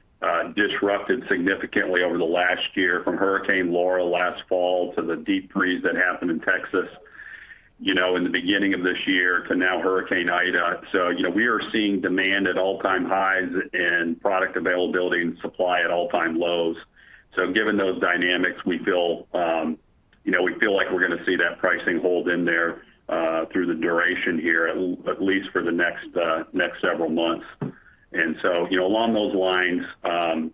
disrupted significantly over the last year from Hurricane Laura last fall to the deep freeze that happened in Texas, in the beginning of this year to now Hurricane Ida. We are seeing demand at all-time highs and product availability and supply at all-time lows. Given those dynamics, we feel like we're going to see that pricing hold in there, through the duration here, at least for the next several months. Along those lines,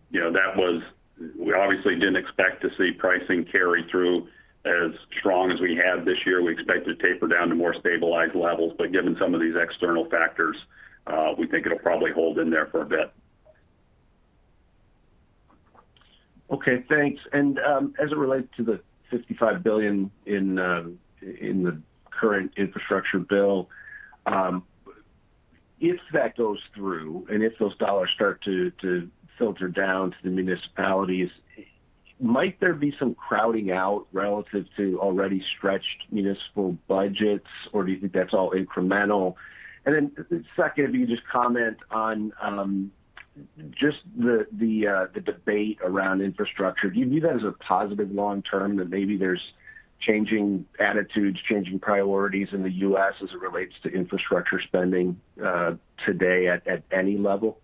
we obviously didn't expect to see pricing carry through as strong as we have this year. We expect to taper down to more stabilized levels, but given some of these external factors, we think it'll probably hold in there for a bit. Okay, thanks. As it relates to the $55 billion in the current Infrastructure Bill, if that goes through, and if those dollars start to filter down to the municipalities, might there be some crowding out relative to already stretched municipal budgets, or do you think that's all incremental? Second, if you could just comment on just the debate around infrastructure. Do you view that as a positive long-term, that maybe there's changing attitudes, changing priorities in the U.S. as it relates to infrastructure spending today at any level?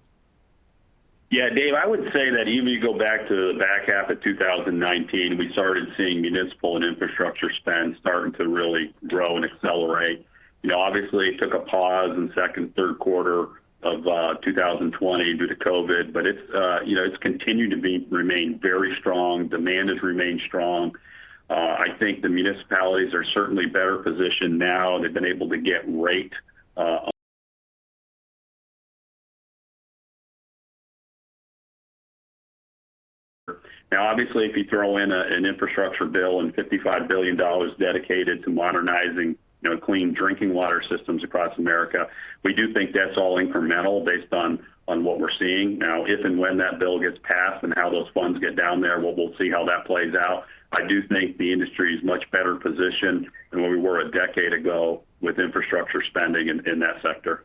Yeah, Dave, I would say that even you go back to the back half of 2019, we started seeing municipal and infrastructure spend starting to really grow and accelerate. Obviously, it took a pause in second, third quarter of 2020 due to COVID-19, but it's continued to remain very strong. Demand has remained strong. I think the municipalities are certainly better positioned now. They've been able to get rate . Now, obviously, if you throw in an infrastructure bill and $55 billion dedicated to modernizing clean drinking water systems across America, we do think that's all incremental based on what we're seeing. Now, if and when that bill gets passed and how those funds get down there, we'll see how that plays out. I do think the industry is much better positioned than where we were a decade ago with infrastructure spending in that sector.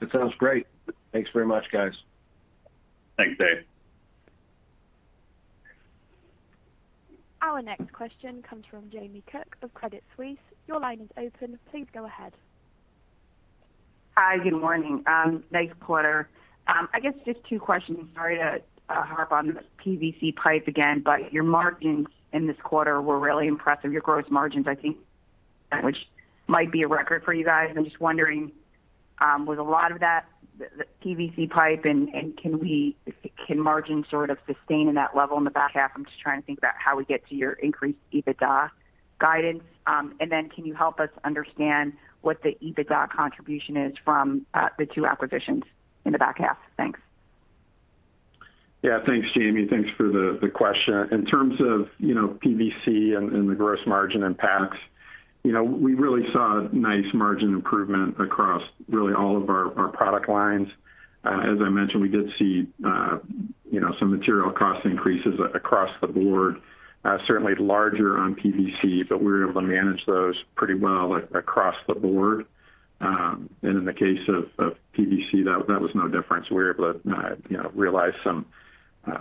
That sounds great. Thanks very much, guys. Thanks, Dave. Our next question comes from Jamie Cook of Credit Suisse. Your line is open. Please go ahead. Hi, good morning. Nice quarter. I guess just two questions. Sorry to harp on the PVC pipe again, your margins in this quarter were really impressive. Your gross margins, I think, which might be a record for you guys. I'm just wondering, was a lot of that the PVC pipe, can margins sort of sustain in that level in the back half? I'm just trying to think about how we get to your increased EBITDA guidance. Can you help us understand what the EBITDA contribution is from the two acquisitions in the back half? Thanks. Yeah. Thanks, Jamie. Thanks for the question. In terms of PVC and the gross margin impacts, we really saw nice margin improvement across really all of our product lines. As I mentioned, we did see some material cost increases across the board, certainly larger on PVC, but we were able to manage those pretty well across the board. In the case of PVC, that was no different. We were able to realize some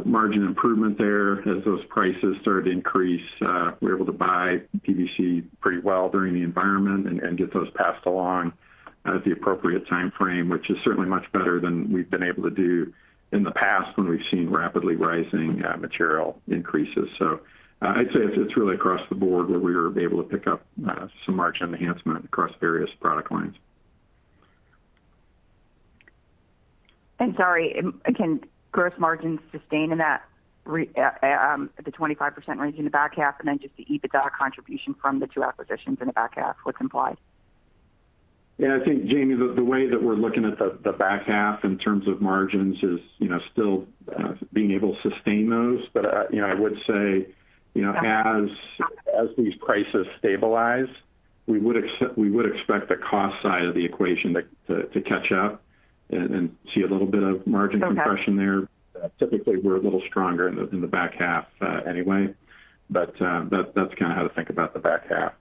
margin improvement there as those prices started to increase. We were able to buy PVC pretty well during the environment and get those passed along at the appropriate timeframe, which is certainly much better than we've been able to do in the past when we've seen rapidly rising material increases. I'd say it's really across the board where we were able to pick up some margin enhancement across various product lines. Sorry, can gross margins sustain in that at the 25% range in the back half? Just the EBITDA contribution from the two acquisitions in the back half, what's implied? Yeah, I think Jamie, the way that we're looking at the back half in terms of margins is still being able to sustain those. I would say, as these prices stabilize, we would expect the cost side of the equation to catch up and see a little bit of margin compression there. Okay. Typically, we're a little stronger in the back half anyway, but that's how to think about the back half.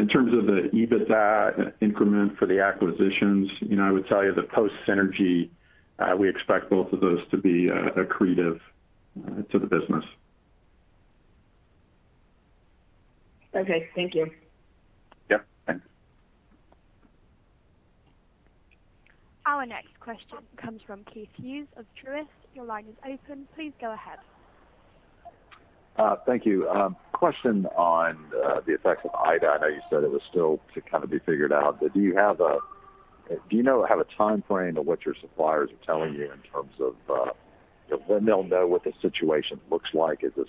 In terms of the EBITDA increment for the acquisitions, I would tell you that post synergy, we expect both of those to be accretive to the business. Okay. Thank you. Yeah. Thanks. Our next question comes from Keith Hughes of Truist. Your line is open. Please go ahead. Thank you. Question on the effects of Ida. I know you said it was still to kind of be figured out, but do you have a timeframe of what your suppliers are telling you in terms of when they'll know what the situation looks like? Is this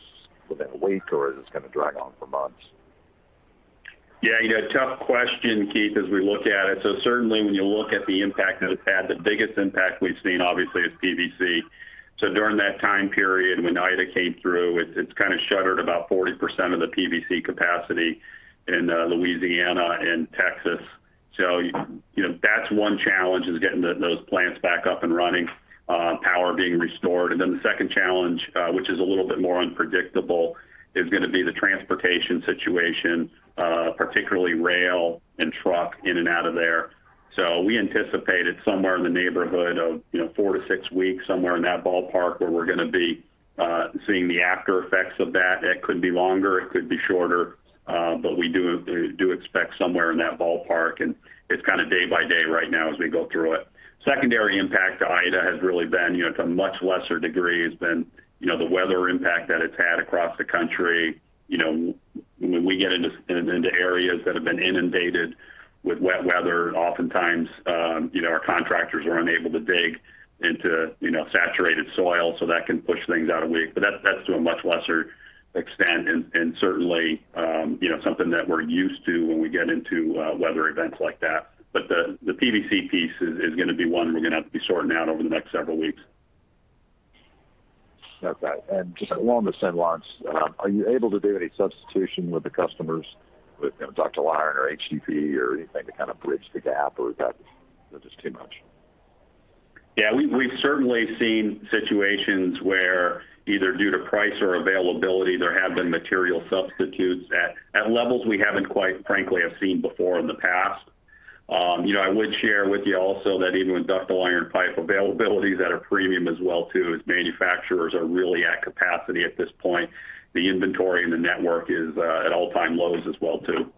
within a week or is this going to drag on for months? Yeah. A tough question, Keith, as we look at it. Certainly when you look at the impact that it's had, the biggest impact we've seen obviously is PVC. During that time period when Ida came through, it shuttered about 40% of the PVC capacity in Louisiana and Texas. That's one challenge is getting those plants back up and running, power being restored. Then the second challenge, which is a little bit more unpredictable, is going to be the transportation situation, particularly rail and truck in and out of there. We anticipated somewhere in the neighborhood of four to six weeks, somewhere in that ballpark, where we're going to be seeing the after effects of that. It could be longer, it could be shorter, but we do expect somewhere in that ballpark, and it's kind of day by day right now as we go through it. Secondary impact to Ida has really been to much lesser degrees than the weather impact that it's had across the country. When we get into areas that have been inundated with wet weather, oftentimes our contractors are unable to dig into saturated soil, that can push things out a week. That's to a much lesser extent and certainly something that we're used to when we get into weather events like that. The PVC piece is going to be one we're going to have to be sorting out over the next several weeks. Okay. Just along the same lines, are you able to do any substitution with the customers with ductile iron or HDPE or anything to kind of bridge the gap, or is that just too much? We've certainly seen situations where either due to price or availability, there have been material substitutes at levels we haven't, quite frankly, have seen before in the past. I would share with you also that even with ductile iron pipe availability is at a premium as well too, as manufacturers are really at capacity at this point. The inventory and the network is at all-time lows as well too.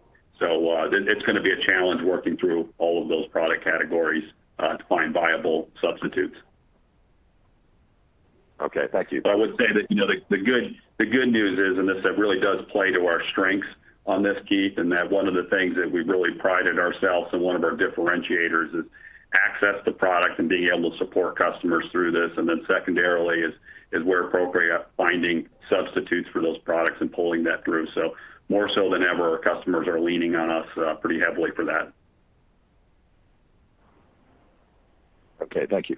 It's going to be a challenge working through all of those product categories to find viable substitutes. Okay. Thank you. I would say that the good news is, and this really does play to our strengths on this, Keith, in that one of the things that we really prided ourselves and one of our differentiators is access to product and being able to support customers through this. Secondarily is where appropriate, finding substitutes for those products and pulling that through. More so than ever, our customers are leaning on us pretty heavily for that. Okay. Thank you.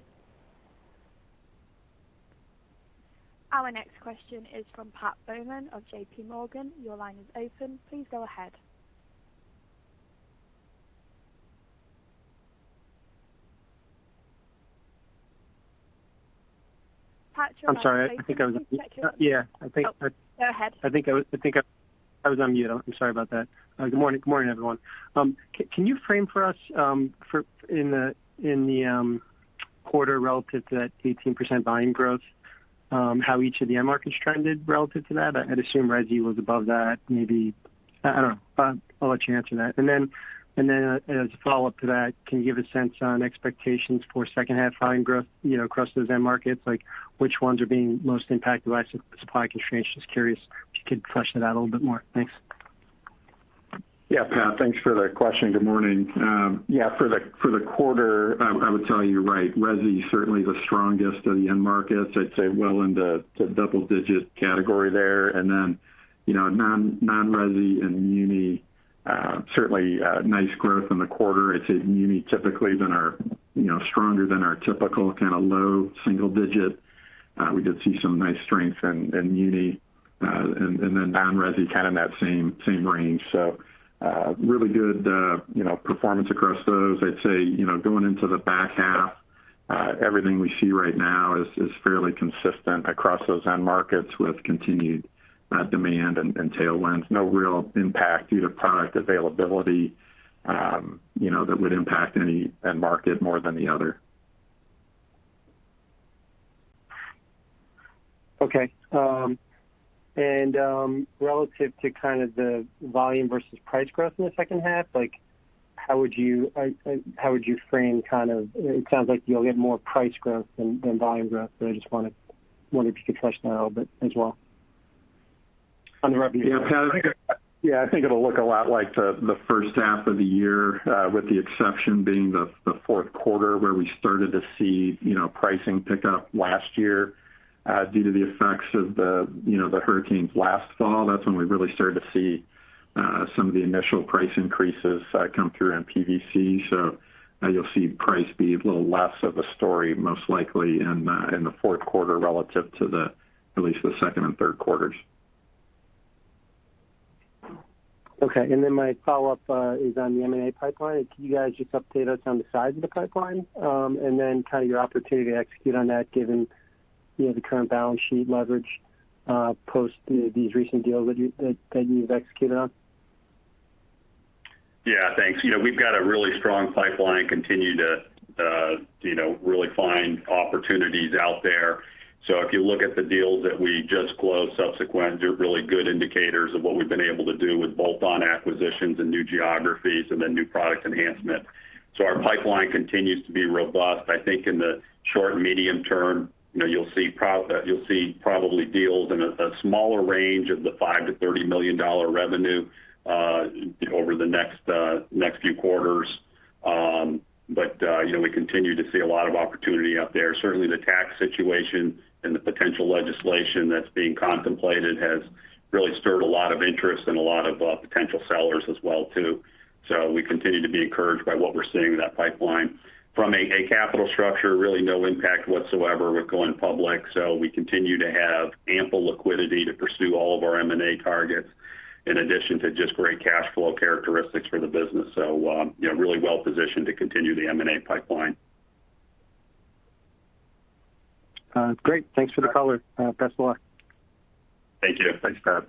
Our next question is from Pat Baumann of JPMorgan. Your line is open. Please go ahead. Pat, your line is open. I'm sorry. I think I was on-- Yeah. Oh. Go ahead. I think I was on mute. I'm sorry about that. Good morning, everyone. Can you frame for us in the quarter relative to that 18% volume growth, how each of the end markets trended relative to that? I'd assume resi was above that, maybe. I don't know. I'll let you answer that. As a follow-up to that, can you give a sense on expectations for second half volume growth across those end markets? Which ones are being most impacted by supply constraints? Just curious if you could flesh that out a little bit more. Thanks. Yeah, Pat, thanks for the question. Good morning. Yeah, for the quarter, I would tell you're right. Resi certainly the strongest of the end markets. I'd say well into double-digit category there. Non-resi and muni, certainly nice growth in the quarter. I'd say muni typically have been stronger than our typical kind of low single-digit. We did see some nice strength in muni. Non-resi, kind of in that same range. Really good performance across those. I'd say, going into the back half, everything we see right now is fairly consistent across those end markets with continued demand and tailwinds. No real impact due to product availability that would impact any end market more than the other. Okay. Relative to the volume versus price growth in the second half, how would you frame it sounds like you'll get more price growth than volume growth? I just wondered if you could touch on that a little bit as well. On the revenue side. Yeah, Pat, I think it'll look a lot like the first half of the year, with the exception being the fourth quarter where we started to see pricing pick up last year due to the effects of the hurricanes last fall. That's when we really started to see some of the initial price increases come through on PVC. You'll see price be a little less of a story, most likely in the fourth quarter relative to at least the second and third quarters. Okay. My follow-up is on the M&A pipeline. Can you guys just update us on the size of the pipeline, and then kind of your opportunity to execute on that given the current balance sheet leverage post these recent deals that you've executed on? Yeah, thanks. We've got a really strong pipeline, continue to really find opportunities out there. If you look at the deals that we just closed subsequent, they're really good indicators of what we've been able to do with bolt-on acquisitions in new geographies and then new product enhancement. Our pipeline continues to be robust. I think in the short and medium term, you'll see probably deals in a smaller range of the $5 million-$30 million revenue over the next few quarters. We continue to see a lot of opportunity out there. Certainly, the tax situation and the potential legislation that's being contemplated has really stirred a lot of interest and a lot of potential sellers as well, too. We continue to be encouraged by what we're seeing in that pipeline. From a capital structure, really no impact whatsoever with going public, so we continue to have ample liquidity to pursue all of our M&A targets, in addition to just great cash flow characteristics for the business. Really well-positioned to continue the M&A pipeline. Great. Thanks for the color. Best of luck. Thank you. Thanks, Pat.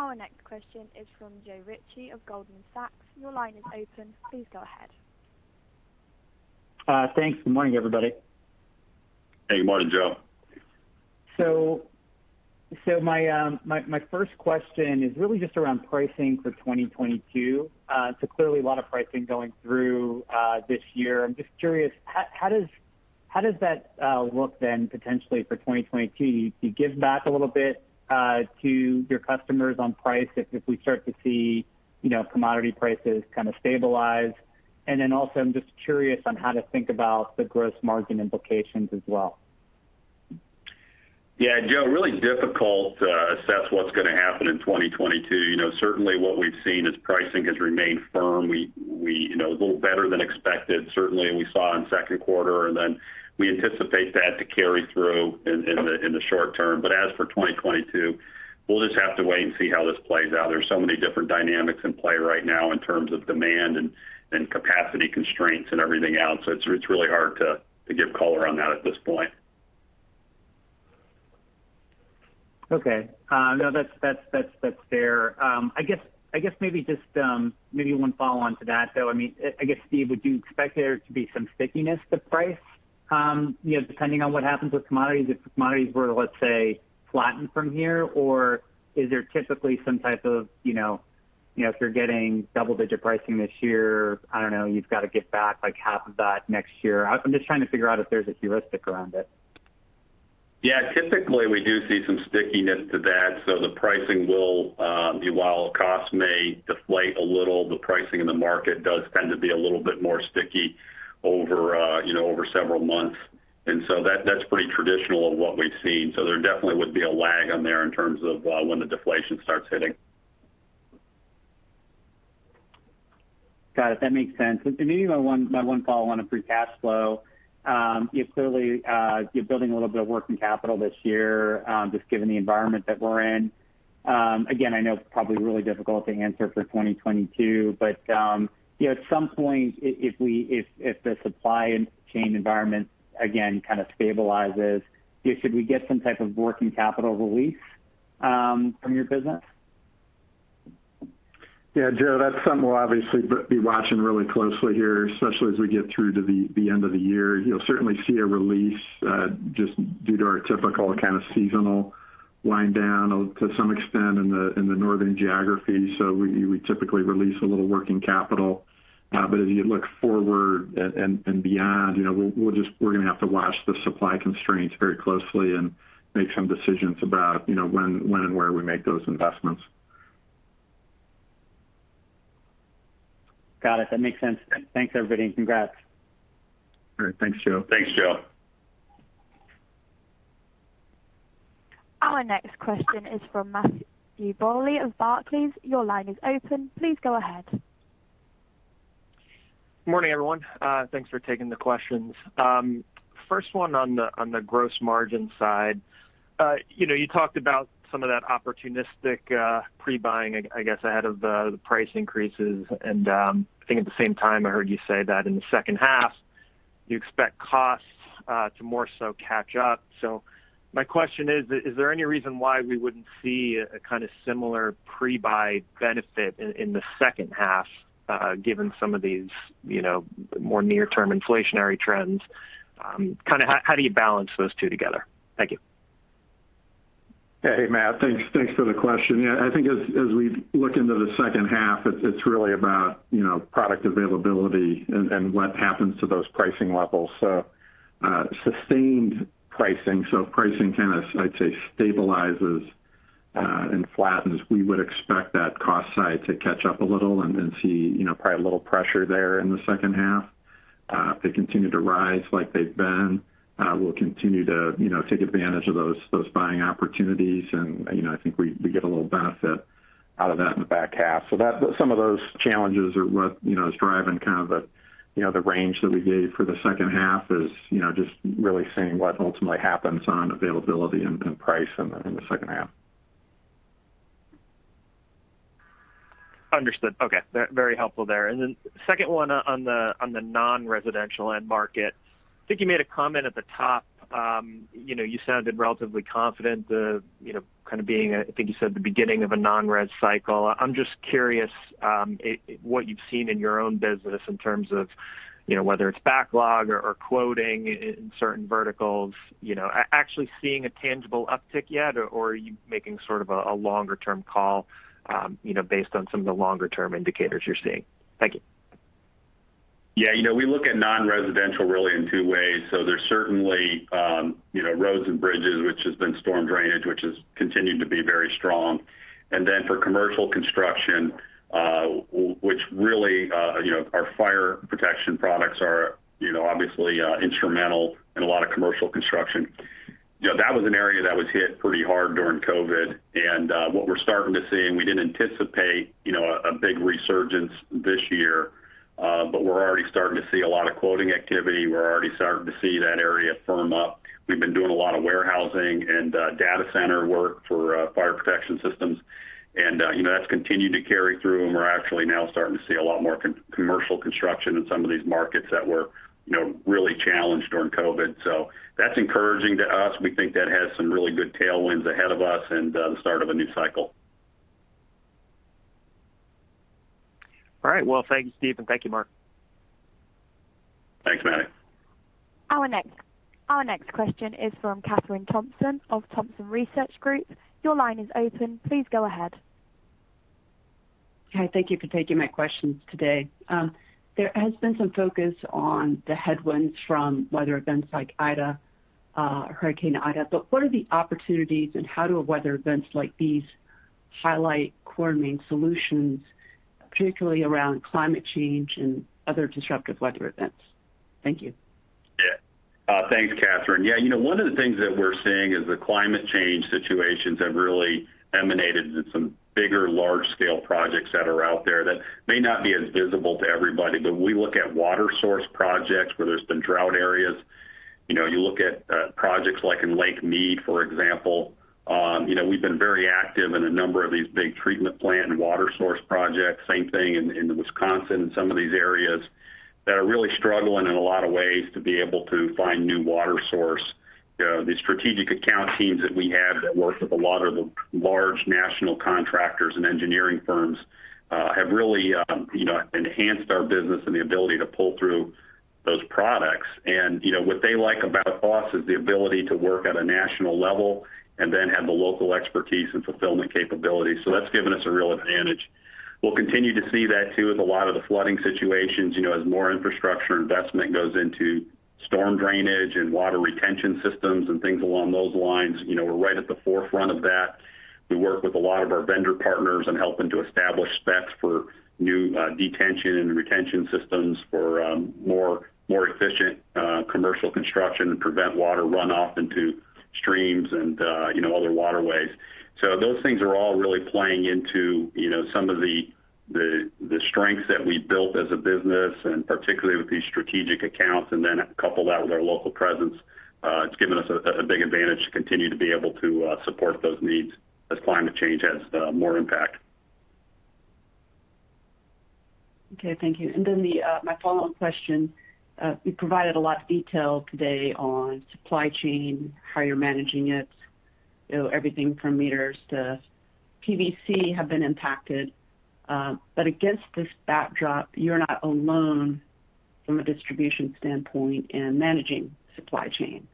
Our next question is from Joe Ritchie of Goldman Sachs. Your line is open. Please go ahead. Thanks. Good morning, everybody. Hey. Good morning, Joe. My first question is really just around pricing for 2022. Clearly a lot of pricing going through this year. I'm just curious, how does that look then potentially for 2022? Do you give back a little bit to your customers on price if we start to see commodity prices kind of stabilize? Also, I'm just curious on how to think about the gross margin implications as well. Yeah, Joe, really difficult to assess what's going to happen in 2022. What we've seen is pricing has remained firm, a little better than expected, certainly we saw in second quarter, and we anticipate that to carry through in the short term. As for 2022, we'll just have to wait and see how this plays out. There's so many different dynamics in play right now in terms of demand and capacity constraints and everything else. It's really hard to give color on that at this point. Okay. No, that's fair. I guess maybe one follow-on to that, though. I guess, Steve, would you expect there to be some stickiness to price? Depending on what happens with commodities, if commodities were, let's say, flatten from here? Or is there typically some type of, if you're getting double-digit pricing this year, I don't know, you've got to give back half of that next year. I'm just trying to figure out if there's a heuristic around it. Yeah. Typically, we do see some stickiness to that. While costs may deflate a little, the pricing in the market does tend to be a little bit stickier over several months. That's pretty traditional of what we've seen. There definitely would be a lag on there in terms of when the deflation starts hitting. Got it. That makes sense. Maybe my one follow-on on free cash flow. You're building a little bit of working capital this year, just given the environment that we're in. Again, I know it's probably really difficult to answer for 2022, but at some point, if the supply chain environment again kind of stabilizes, should we get some type of working capital relief from your business? Yeah, Joe, that's something we'll obviously be watching really closely here, especially as we get through to the end of the year. You'll certainly see a release just due to our typical kind of seasonal wind down to some extent in the northern geography. We typically release a little working capital. As you look forward and beyond, we're going to have to watch the supply constraints very closely and make some decisions about when and where we make those investments. Got it. That makes sense. Thanks, everybody, and congrats. All right. Thanks, Joe. Thanks, Joe. Our next question is from Matthew Bouley of Barclays. Your line is open. Please go ahead. Morning, everyone. Thanks for taking the questions. First one on the gross margin side. You talked about some of that opportunistic pre-buying, I guess, ahead of the price increases. I think at the same time, I heard you say that in the second half, you expect costs to more so catch up. My question is there any reason why we wouldn't see a kind of similar pre-buy benefit in the second half given some of these more near-term inflationary trends? How do you balance those two together? Thank you. Hey, Matt. Thanks for the question. Yeah, I think as we look into the second half, it's really about product availability and what happens to those pricing levels. Sustained pricing, so if pricing kind of, I'd say, stabilizes and flattens, we would expect that cost side to catch up a little and then see probably a little pressure there in the second half. If they continue to rise like they've been, we'll continue to take advantage of those buying opportunities, and I think we get a little benefit out of that in the back half. Some of those challenges are what is driving kind of the range that we gave for the second half is just really seeing what ultimately happens on availability and price in the second half. Understood. Okay. Very helpful there. Second one on the non-residential end market. I think you made a comment at the top. You sounded relatively confident, I think you said the beginning of a non-res cycle. I'm just curious what you've seen in your own business in terms of whether it's backlog or quoting in certain verticals. Actually seeing a tangible uptick yet, or are you making sort of a longer-term call based on some of the longer-term indicators you're seeing? Thank you. Yeah. We look at non-residential really in two ways. There's certainly roads and bridges, which has been storm drainage, which has continued to be very strong. For commercial construction, which really our fire protection products are obviously instrumental in a lot of commercial construction. That was an area that was hit pretty hard during COVID, and what we're starting to see, and we didn't anticipate a big resurgence this year, but we're already starting to see a lot of quoting activity. We're already starting to see that area firm up. We've been doing a lot of warehousing and data center work for fire protection systems, and that's continued to carry through and we're actually now starting to see a lot more commercial construction in some of these markets that were really challenged during COVID. That's encouraging to us. We think that has some really good tailwinds ahead of us and the start of a new cycle. All right. Well, thank you, Steve, and thank you, Mark. Thanks, Matt. Our next question is from Kathryn Thompson of Thompson Research Group. Your line is open. Please go ahead. Okay. Thank you for taking my questions today. There has been some focus on the headwinds from weather events like Hurricane Ida. What are the opportunities, and how do weather events like these highlight Core & Main solutions, particularly around climate change and other disruptive weather events? Thank you. Yeah. Thanks, Kathryn. One of the things that we're seeing is the climate change situations have really emanated into some bigger, large-scale projects that are out there that may not be as visible to everybody. We look at water source projects where there's been drought areas. You look at projects like in Lake Mead, for example. We've been very active in a number of these big treatment plant and water source projects. Same thing in Wisconsin and some of these areas that are really struggling in a lot of ways to be able to find new water source. The strategic account teams that we have that work with a lot of the large national contractors and engineering firms have really enhanced our business and the ability to pull through those products. What they like about us is the ability to work at a national level and then have the local expertise and fulfillment capabilities. That's given us a real advantage. We'll continue to see that, too, with a lot of the flooding situations, as more infrastructure investment goes into storm drainage and water retention systems and things along those lines. We're right at the forefront of that. We work with a lot of our vendor partners and help them to establish specs for new detention and retention systems for more efficient commercial construction to prevent water runoff into streams and other waterways. Those things are all really playing into some of the strengths that we built as a business, and particularly with these strategic accounts, and then couple that with our local presence, it's given us a big advantage to continue to be able to support those needs as climate change has more impact. Okay, thank you. My follow-up question. You provided a lot of detail today on supply chain, how you're managing it. Everything from meters to PVC have been impacted. Against this backdrop, you're not alone from a distribution standpoint in managing supply chain.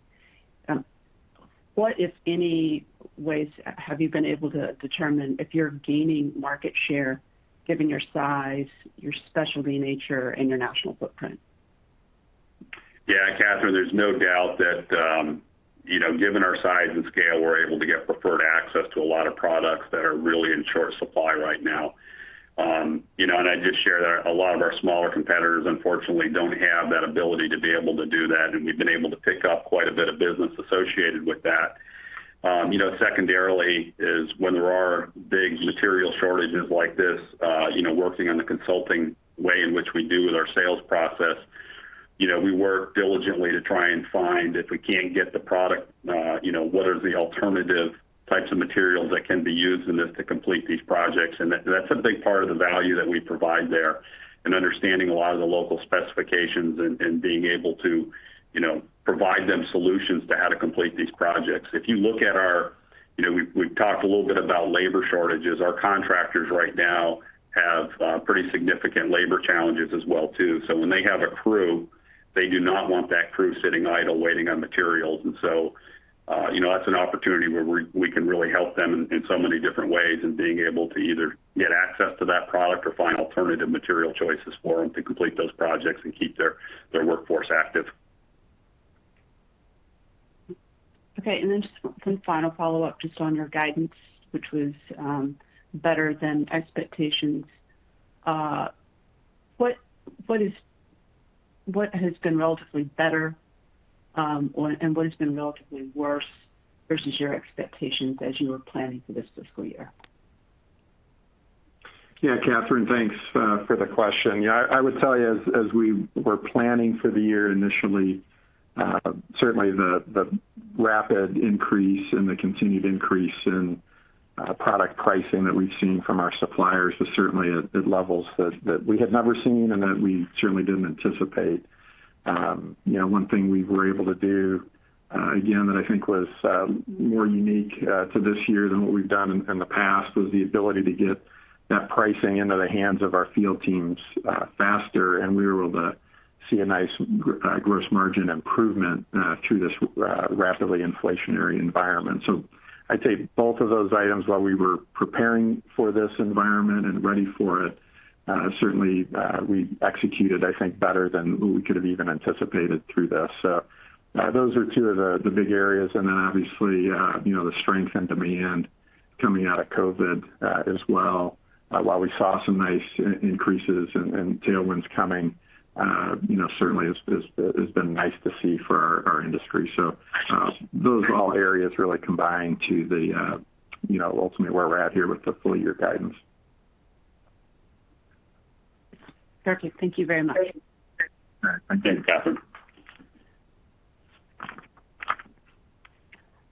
What, if any, ways have you been able to determine if you're gaining market share given your size, your specialty nature, and your national footprint? Kathryn, there's no doubt that given our size and scale, we're able to get preferred access to a lot of products that are really in short supply right now. I just shared a lot of our smaller competitors, unfortunately, don't have that ability to be able to do that, and we've been able to pick up quite a bit of business associated with that. Secondarily is when there are big material shortages like this, working in the consulting way in which we do with our sales process, we work diligently to try and find, if we can't get the product, what are the alternative types of materials that can be used in this to complete these projects. That's a big part of the value that we provide there and understanding a lot of the local specifications and being able to provide them solutions to how to complete these projects. We've talked a little bit about labor shortages. Our contractors right now have pretty significant labor challenges as well, too. When they have a crew, they do not want that crew sitting idle waiting on materials. That's an opportunity where we can really help them in so many different ways in being able to either get access to that product or find alternative material choices for them to complete those projects and keep their workforce active. Okay. Just one final follow-up just on your guidance, which was better than expectations. What has been relatively better, and what has been relatively worse versus your expectations as you were planning for this fiscal year? Yeah, Kathryn, thanks for the question. Yeah, I would tell you as we were planning for the year initially. The rapid increase and the continued increase in product pricing that we've seen from our suppliers is certainly at levels that we have never seen and that we certainly didn't anticipate. One thing we were able to do again, that I think was more unique to this year than what we've done in the past, was the ability to get that pricing into the hands of our field teams faster, and we were able to see a nice gross margin improvement through this rapidly inflationary environment. I'd say both of those items, while we were preparing for this environment and ready for it, certainly, we executed, I think, better than we could have even anticipated through this. Those are two of the big areas, and then obviously, the strength in demand coming out of COVID as well. While we saw some nice increases and tailwinds coming, certainly it's been nice to see for our industry. Those all areas really combine to the ultimately where we're at here with the full year guidance. Okay, thank you very much. All right. Thank you, Kathryn.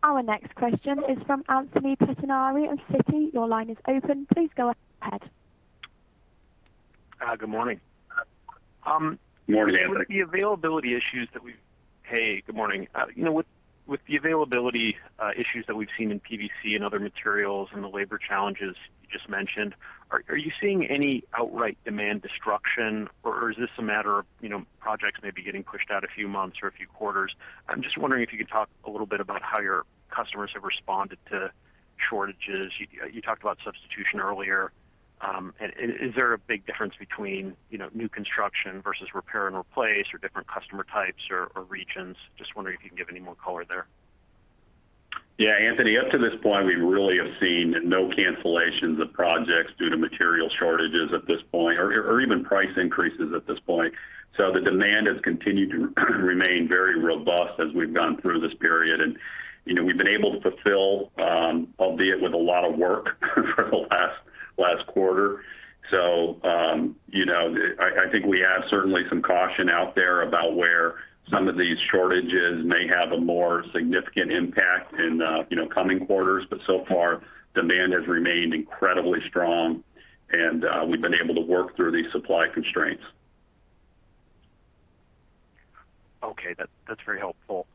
Our next question is from Anthony Pettinari of Citi. Your line is open. Please go ahead. Good morning. Morning, Anthony. Hey, good morning. With the availability issues that we've seen in PVC and other materials and the labor challenges you just mentioned, are you seeing any outright demand destruction, or is this a matter of projects maybe getting pushed out a few months or a few quarters? I'm just wondering if you could talk a little bit about how your customers have responded to shortages. You talked about substitution earlier. Is there a big difference between new construction versus repair and replace or different customer types or regions? Just wondering if you can give any more color there. Yeah, Anthony. Up to this point, we really have seen no cancellations of projects due to material shortages at this point, or even price increases at this point. The demand has continued to remain very robust as we've gone through this period. We've been able to fulfill, albeit with a lot of work for the last quarter. I think we have certainly some caution out there about where some of these shortages may have a more significant impact in coming quarters. So far, demand has remained incredibly strong and we've been able to work through these supply constraints. Okay. That's very helpful.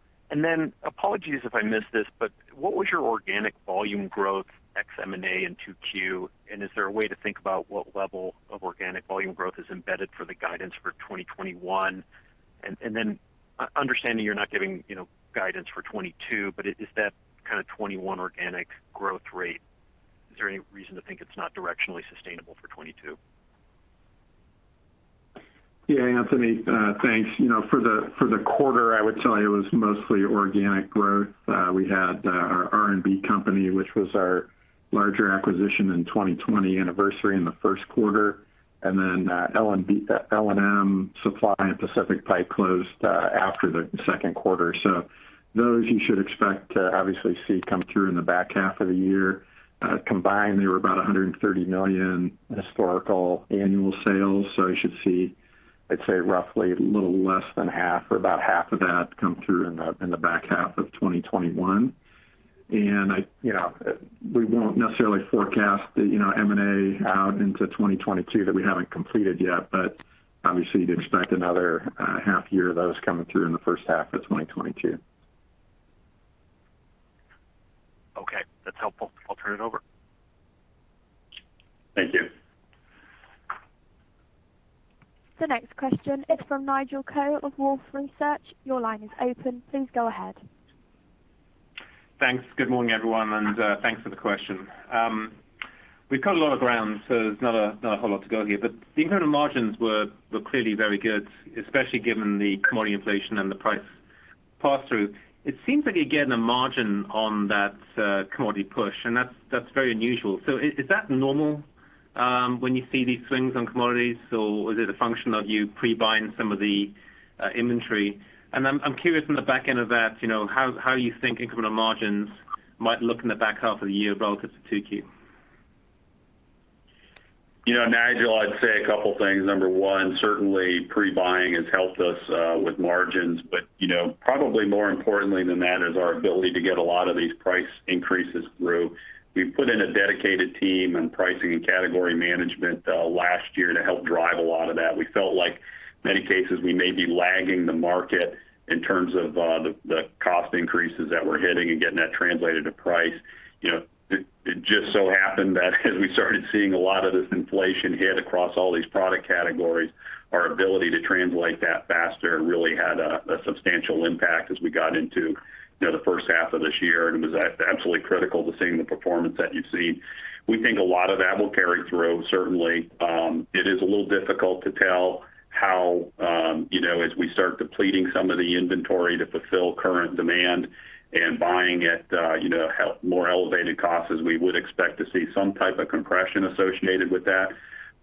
Apologies if I missed this, but what was your organic volume growth ex M&A in 2Q? Is there a way to think about what level of organic volume growth is embedded for the guidance for 2021? Understanding you're not giving guidance for 2022, but is that kind of 2021 organic growth rate, is there any reason to think it's not directionally sustainable for 2022? Yeah, Anthony. Thanks. For the quarter, I would tell you it was mostly organic growth. We had our R&B Co., which was our larger acquisition in 2020 anniversary in the first quarter. L & M Bag & Supply Co. and Pacific Pipe closed after the second quarter. Those you should expect to obviously see come through in the back half of the year. Combined, they were about $130 million historical annual sales. You should see, I'd say, roughly a little less than half or about half of that come through in the back half of 2021. We won't necessarily forecast the M&A out into 2022 that we haven't completed yet, but obviously you'd expect another half year of those coming through in the first half of 2022. Okay. That's helpful. I'll turn it over. Thank you. The next question is from Nigel Coe of Wolfe Research. Your line is open. Please go ahead. Thanks. Good morning, everyone, and thanks for the question. We've cut a lot of ground, so there's not a whole lot to go here. The incremental margins were clearly very good, especially given the commodity inflation and the price pass-through. It seems like you're getting a margin on that commodity push, and that's very unusual. Is that normal when you see these swings on commodities, or is it a function of you pre-buying some of the inventory? I'm curious from the back end of that, how are you thinking incremental margins might look in the back half of the year relative to 2Q? Nigel, I'd say a couple of things. Number one, certainly pre-buying has helped us with margins. Probably more importantly than that is our ability to get a lot of these price increases through. We put in a dedicated team in pricing and category management last year to help drive a lot of that. We felt like many cases, we may be lagging the market in terms of the cost increases that we're hitting and getting that translated to price. It just so happened that as we started seeing a lot of this inflation hit across all these product categories, our ability to translate that faster really had a substantial impact as we got into the first half of this year, and it was absolutely critical to seeing the performance that you've seen. We think a lot of that will carry through, certainly. It is a little difficult to tell how, as we start depleting some of the inventory to fulfill current demand and buying at more elevated costs, as we would expect to see some type of compression associated with that.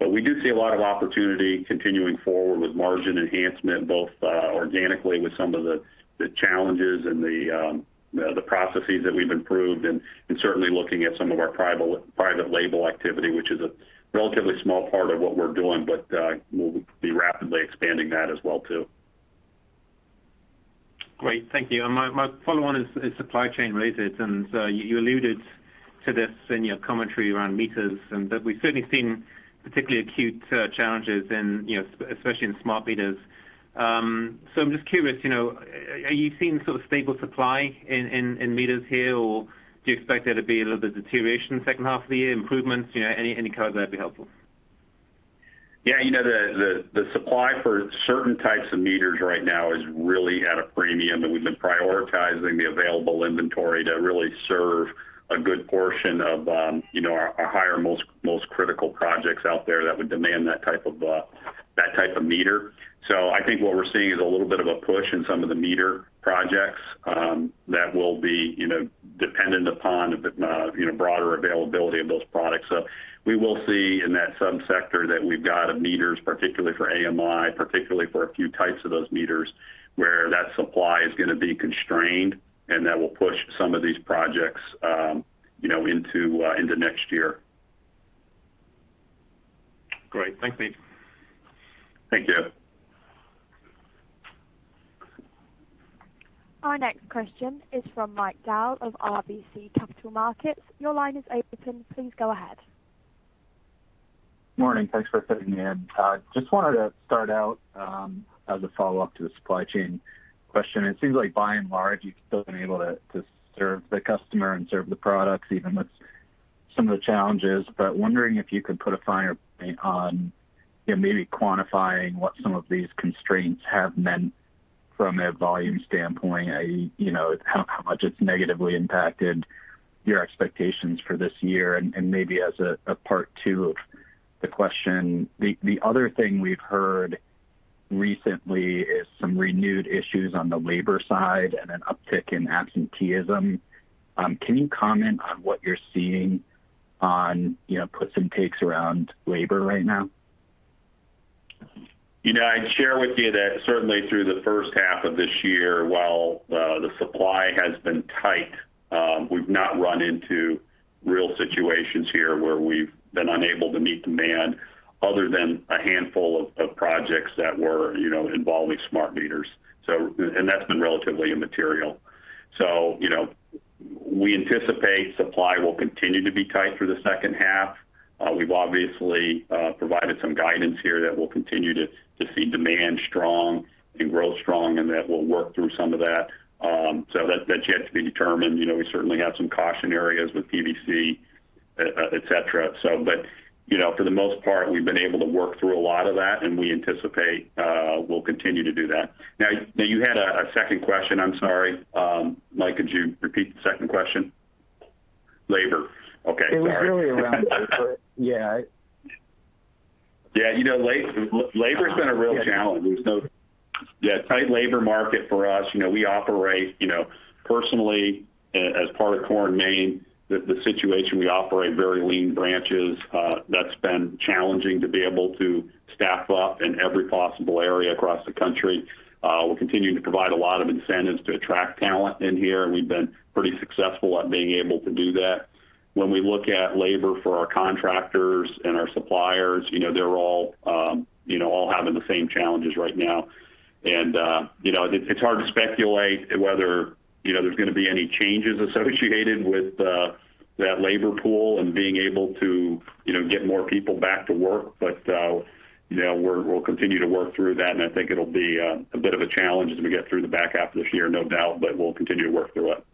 We do see a lot of opportunity continuing forward with margin enhancement, both organically with some of the challenges and the processes that we've improved, and certainly looking at some of our private label activity, which is a relatively small part of what we're doing, but we'll be rapidly expanding that as well, too. Great. Thank you. My follow-on is supply chain related, and you alluded to this in your commentary around meters, but we've certainly seen particularly acute challenges, especially in smart meters. I'm just curious, are you seeing stable supply in meters here, or do you expect there to be a little bit of deterioration in the second half of the year? Improvements? Any color on that would be helpful. Yeah. The supply for certain types of meters right now is really at a premium, and we've been prioritizing the available inventory to really serve a good portion of our higher, most critical projects out there that would demand that type of meter. I think what we're seeing is a little bit of a push in some of the meter projects that will be dependent upon broader availability of those products. We will see in that sub-sector that we've got of meters, particularly for AMI, particularly for a few types of those meters, where that supply is going to be constrained, and that will push some of these projects into next year. Great. Thanks, Steve. Thank you. Our next question is from Mike Dahl of RBC Capital Markets. Your line is open. Please go ahead. Morning. Thanks for fitting me in. Just wanted to start out as a follow-up to the supply chain question. It seems like by and large, you've still been able to serve the customer and serve the products even with some of the challenges. Wondering if you could put a finer point on maybe quantifying what some of these constraints have meant from a volume standpoint, how much it's negatively impacted your expectations for this year, and maybe as a part two of the question, the other thing we've heard recently is some renewed issues on the labor side and an uptick in absenteeism. Can you comment on what you're seeing on puts and takes around labor right now? I'd share with you that certainly through the first half of this year, while the supply has been tight, we've not run into real situations here where we've been unable to meet demand other than a handful of projects that were involving smart meters. That's been relatively immaterial. We anticipate supply will continue to be tight through the second half. We've obviously provided some guidance here that we'll continue to see demand strong and growth strong, and that we'll work through some of that. That's yet to be determined. We certainly have some caution areas with PVC et cetera. For the most part, we've been able to work through a lot of that, and we anticipate we'll continue to do that. You had a second question. I'm sorry. Mike, could you repeat the second question? Labor. Okay. Sorry. It was really around labor. Yeah. Yeah. Labor's been a real challenge. Yeah, tight labor market for us. We operate personally as part of Core & Main, the situation, we operate very lean branches. That's been challenging to be able to staff up in every possible area across the country. We're continuing to provide a lot of incentives to attract talent in here, and we've been pretty successful at being able to do that. When we look at labor for our contractors and our suppliers, they're all having the same challenges right now. It's hard to speculate whether there's going to be any changes associated with that labor pool and being able to get more people back to work. We'll continue to work through that, and I think it'll be a bit of a challenge as we get through the back half of this year, no doubt, but we'll continue to work through it.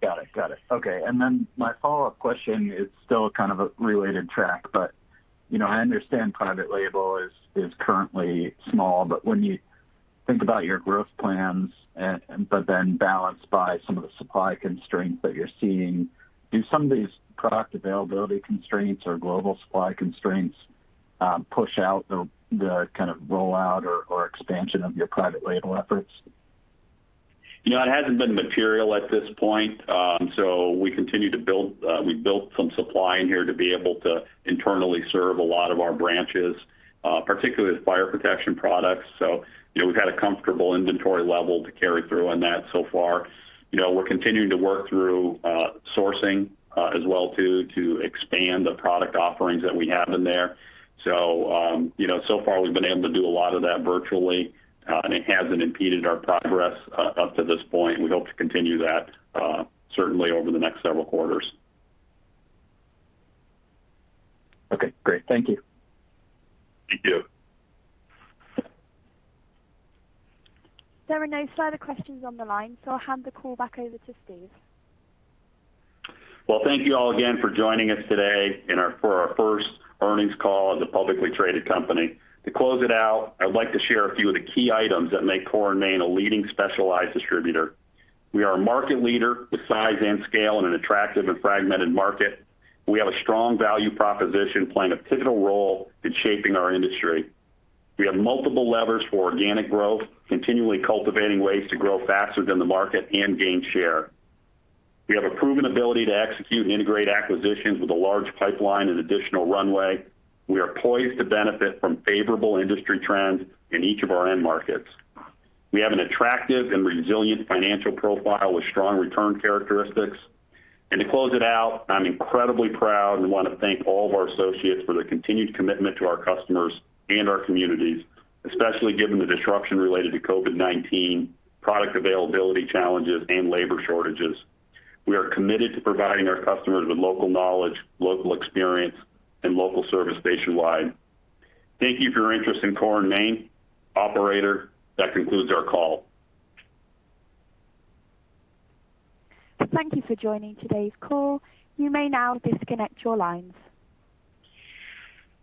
Got it. Okay. My follow-up question is still kind of a related track, but I understand private label is currently small, but when you think about your growth plans but then balanced by some of the supply constraints that you're seeing, do some of these product availability constraints or global supply constraints push out the kind of rollout or expansion of your private label efforts? It hasn't been material at this point. We continue to build. We built some supply in here to be able to internally serve a lot of our branches, particularly with fire protection products. We've had a comfortable inventory level to carry through on that so far. We're continuing to work through sourcing as well too, to expand the product offerings that we have in there. So far we've been able to do a lot of that virtually, and it hasn't impeded our progress up to this point, and we hope to continue that certainly over the next several quarters. Okay, great. Thank you. Thank you. There are no further questions on the line, so I'll hand the call back over to Steve. Well, thank you all again for joining us today for our first earnings call as a publicly traded company. To close it out, I would like to share a few of the key items that make Core & Main a leading specialized distributor. We are a market leader with size and scale in an attractive and fragmented market. We have a strong value proposition playing a pivotal role in shaping our industry. We have multiple levers for organic growth, continually cultivating ways to grow faster than the market and gain share. We have a proven ability to execute and integrate acquisitions with a large pipeline and additional runway. We are poised to benefit from favorable industry trends in each of our end markets. We have an attractive and resilient financial profile with strong return characteristics. To close it out, I'm incredibly proud and want to thank all of our associates for their continued commitment to our customers and our communities, especially given the disruption related to COVID-19, product availability challenges, and labor shortages. We are committed to providing our customers with local knowledge, local experience, and local service nationwide. Thank you for your interest in Core & Main. Operator, that concludes our call. Thank you for joining today's call. You may now disconnect your lines.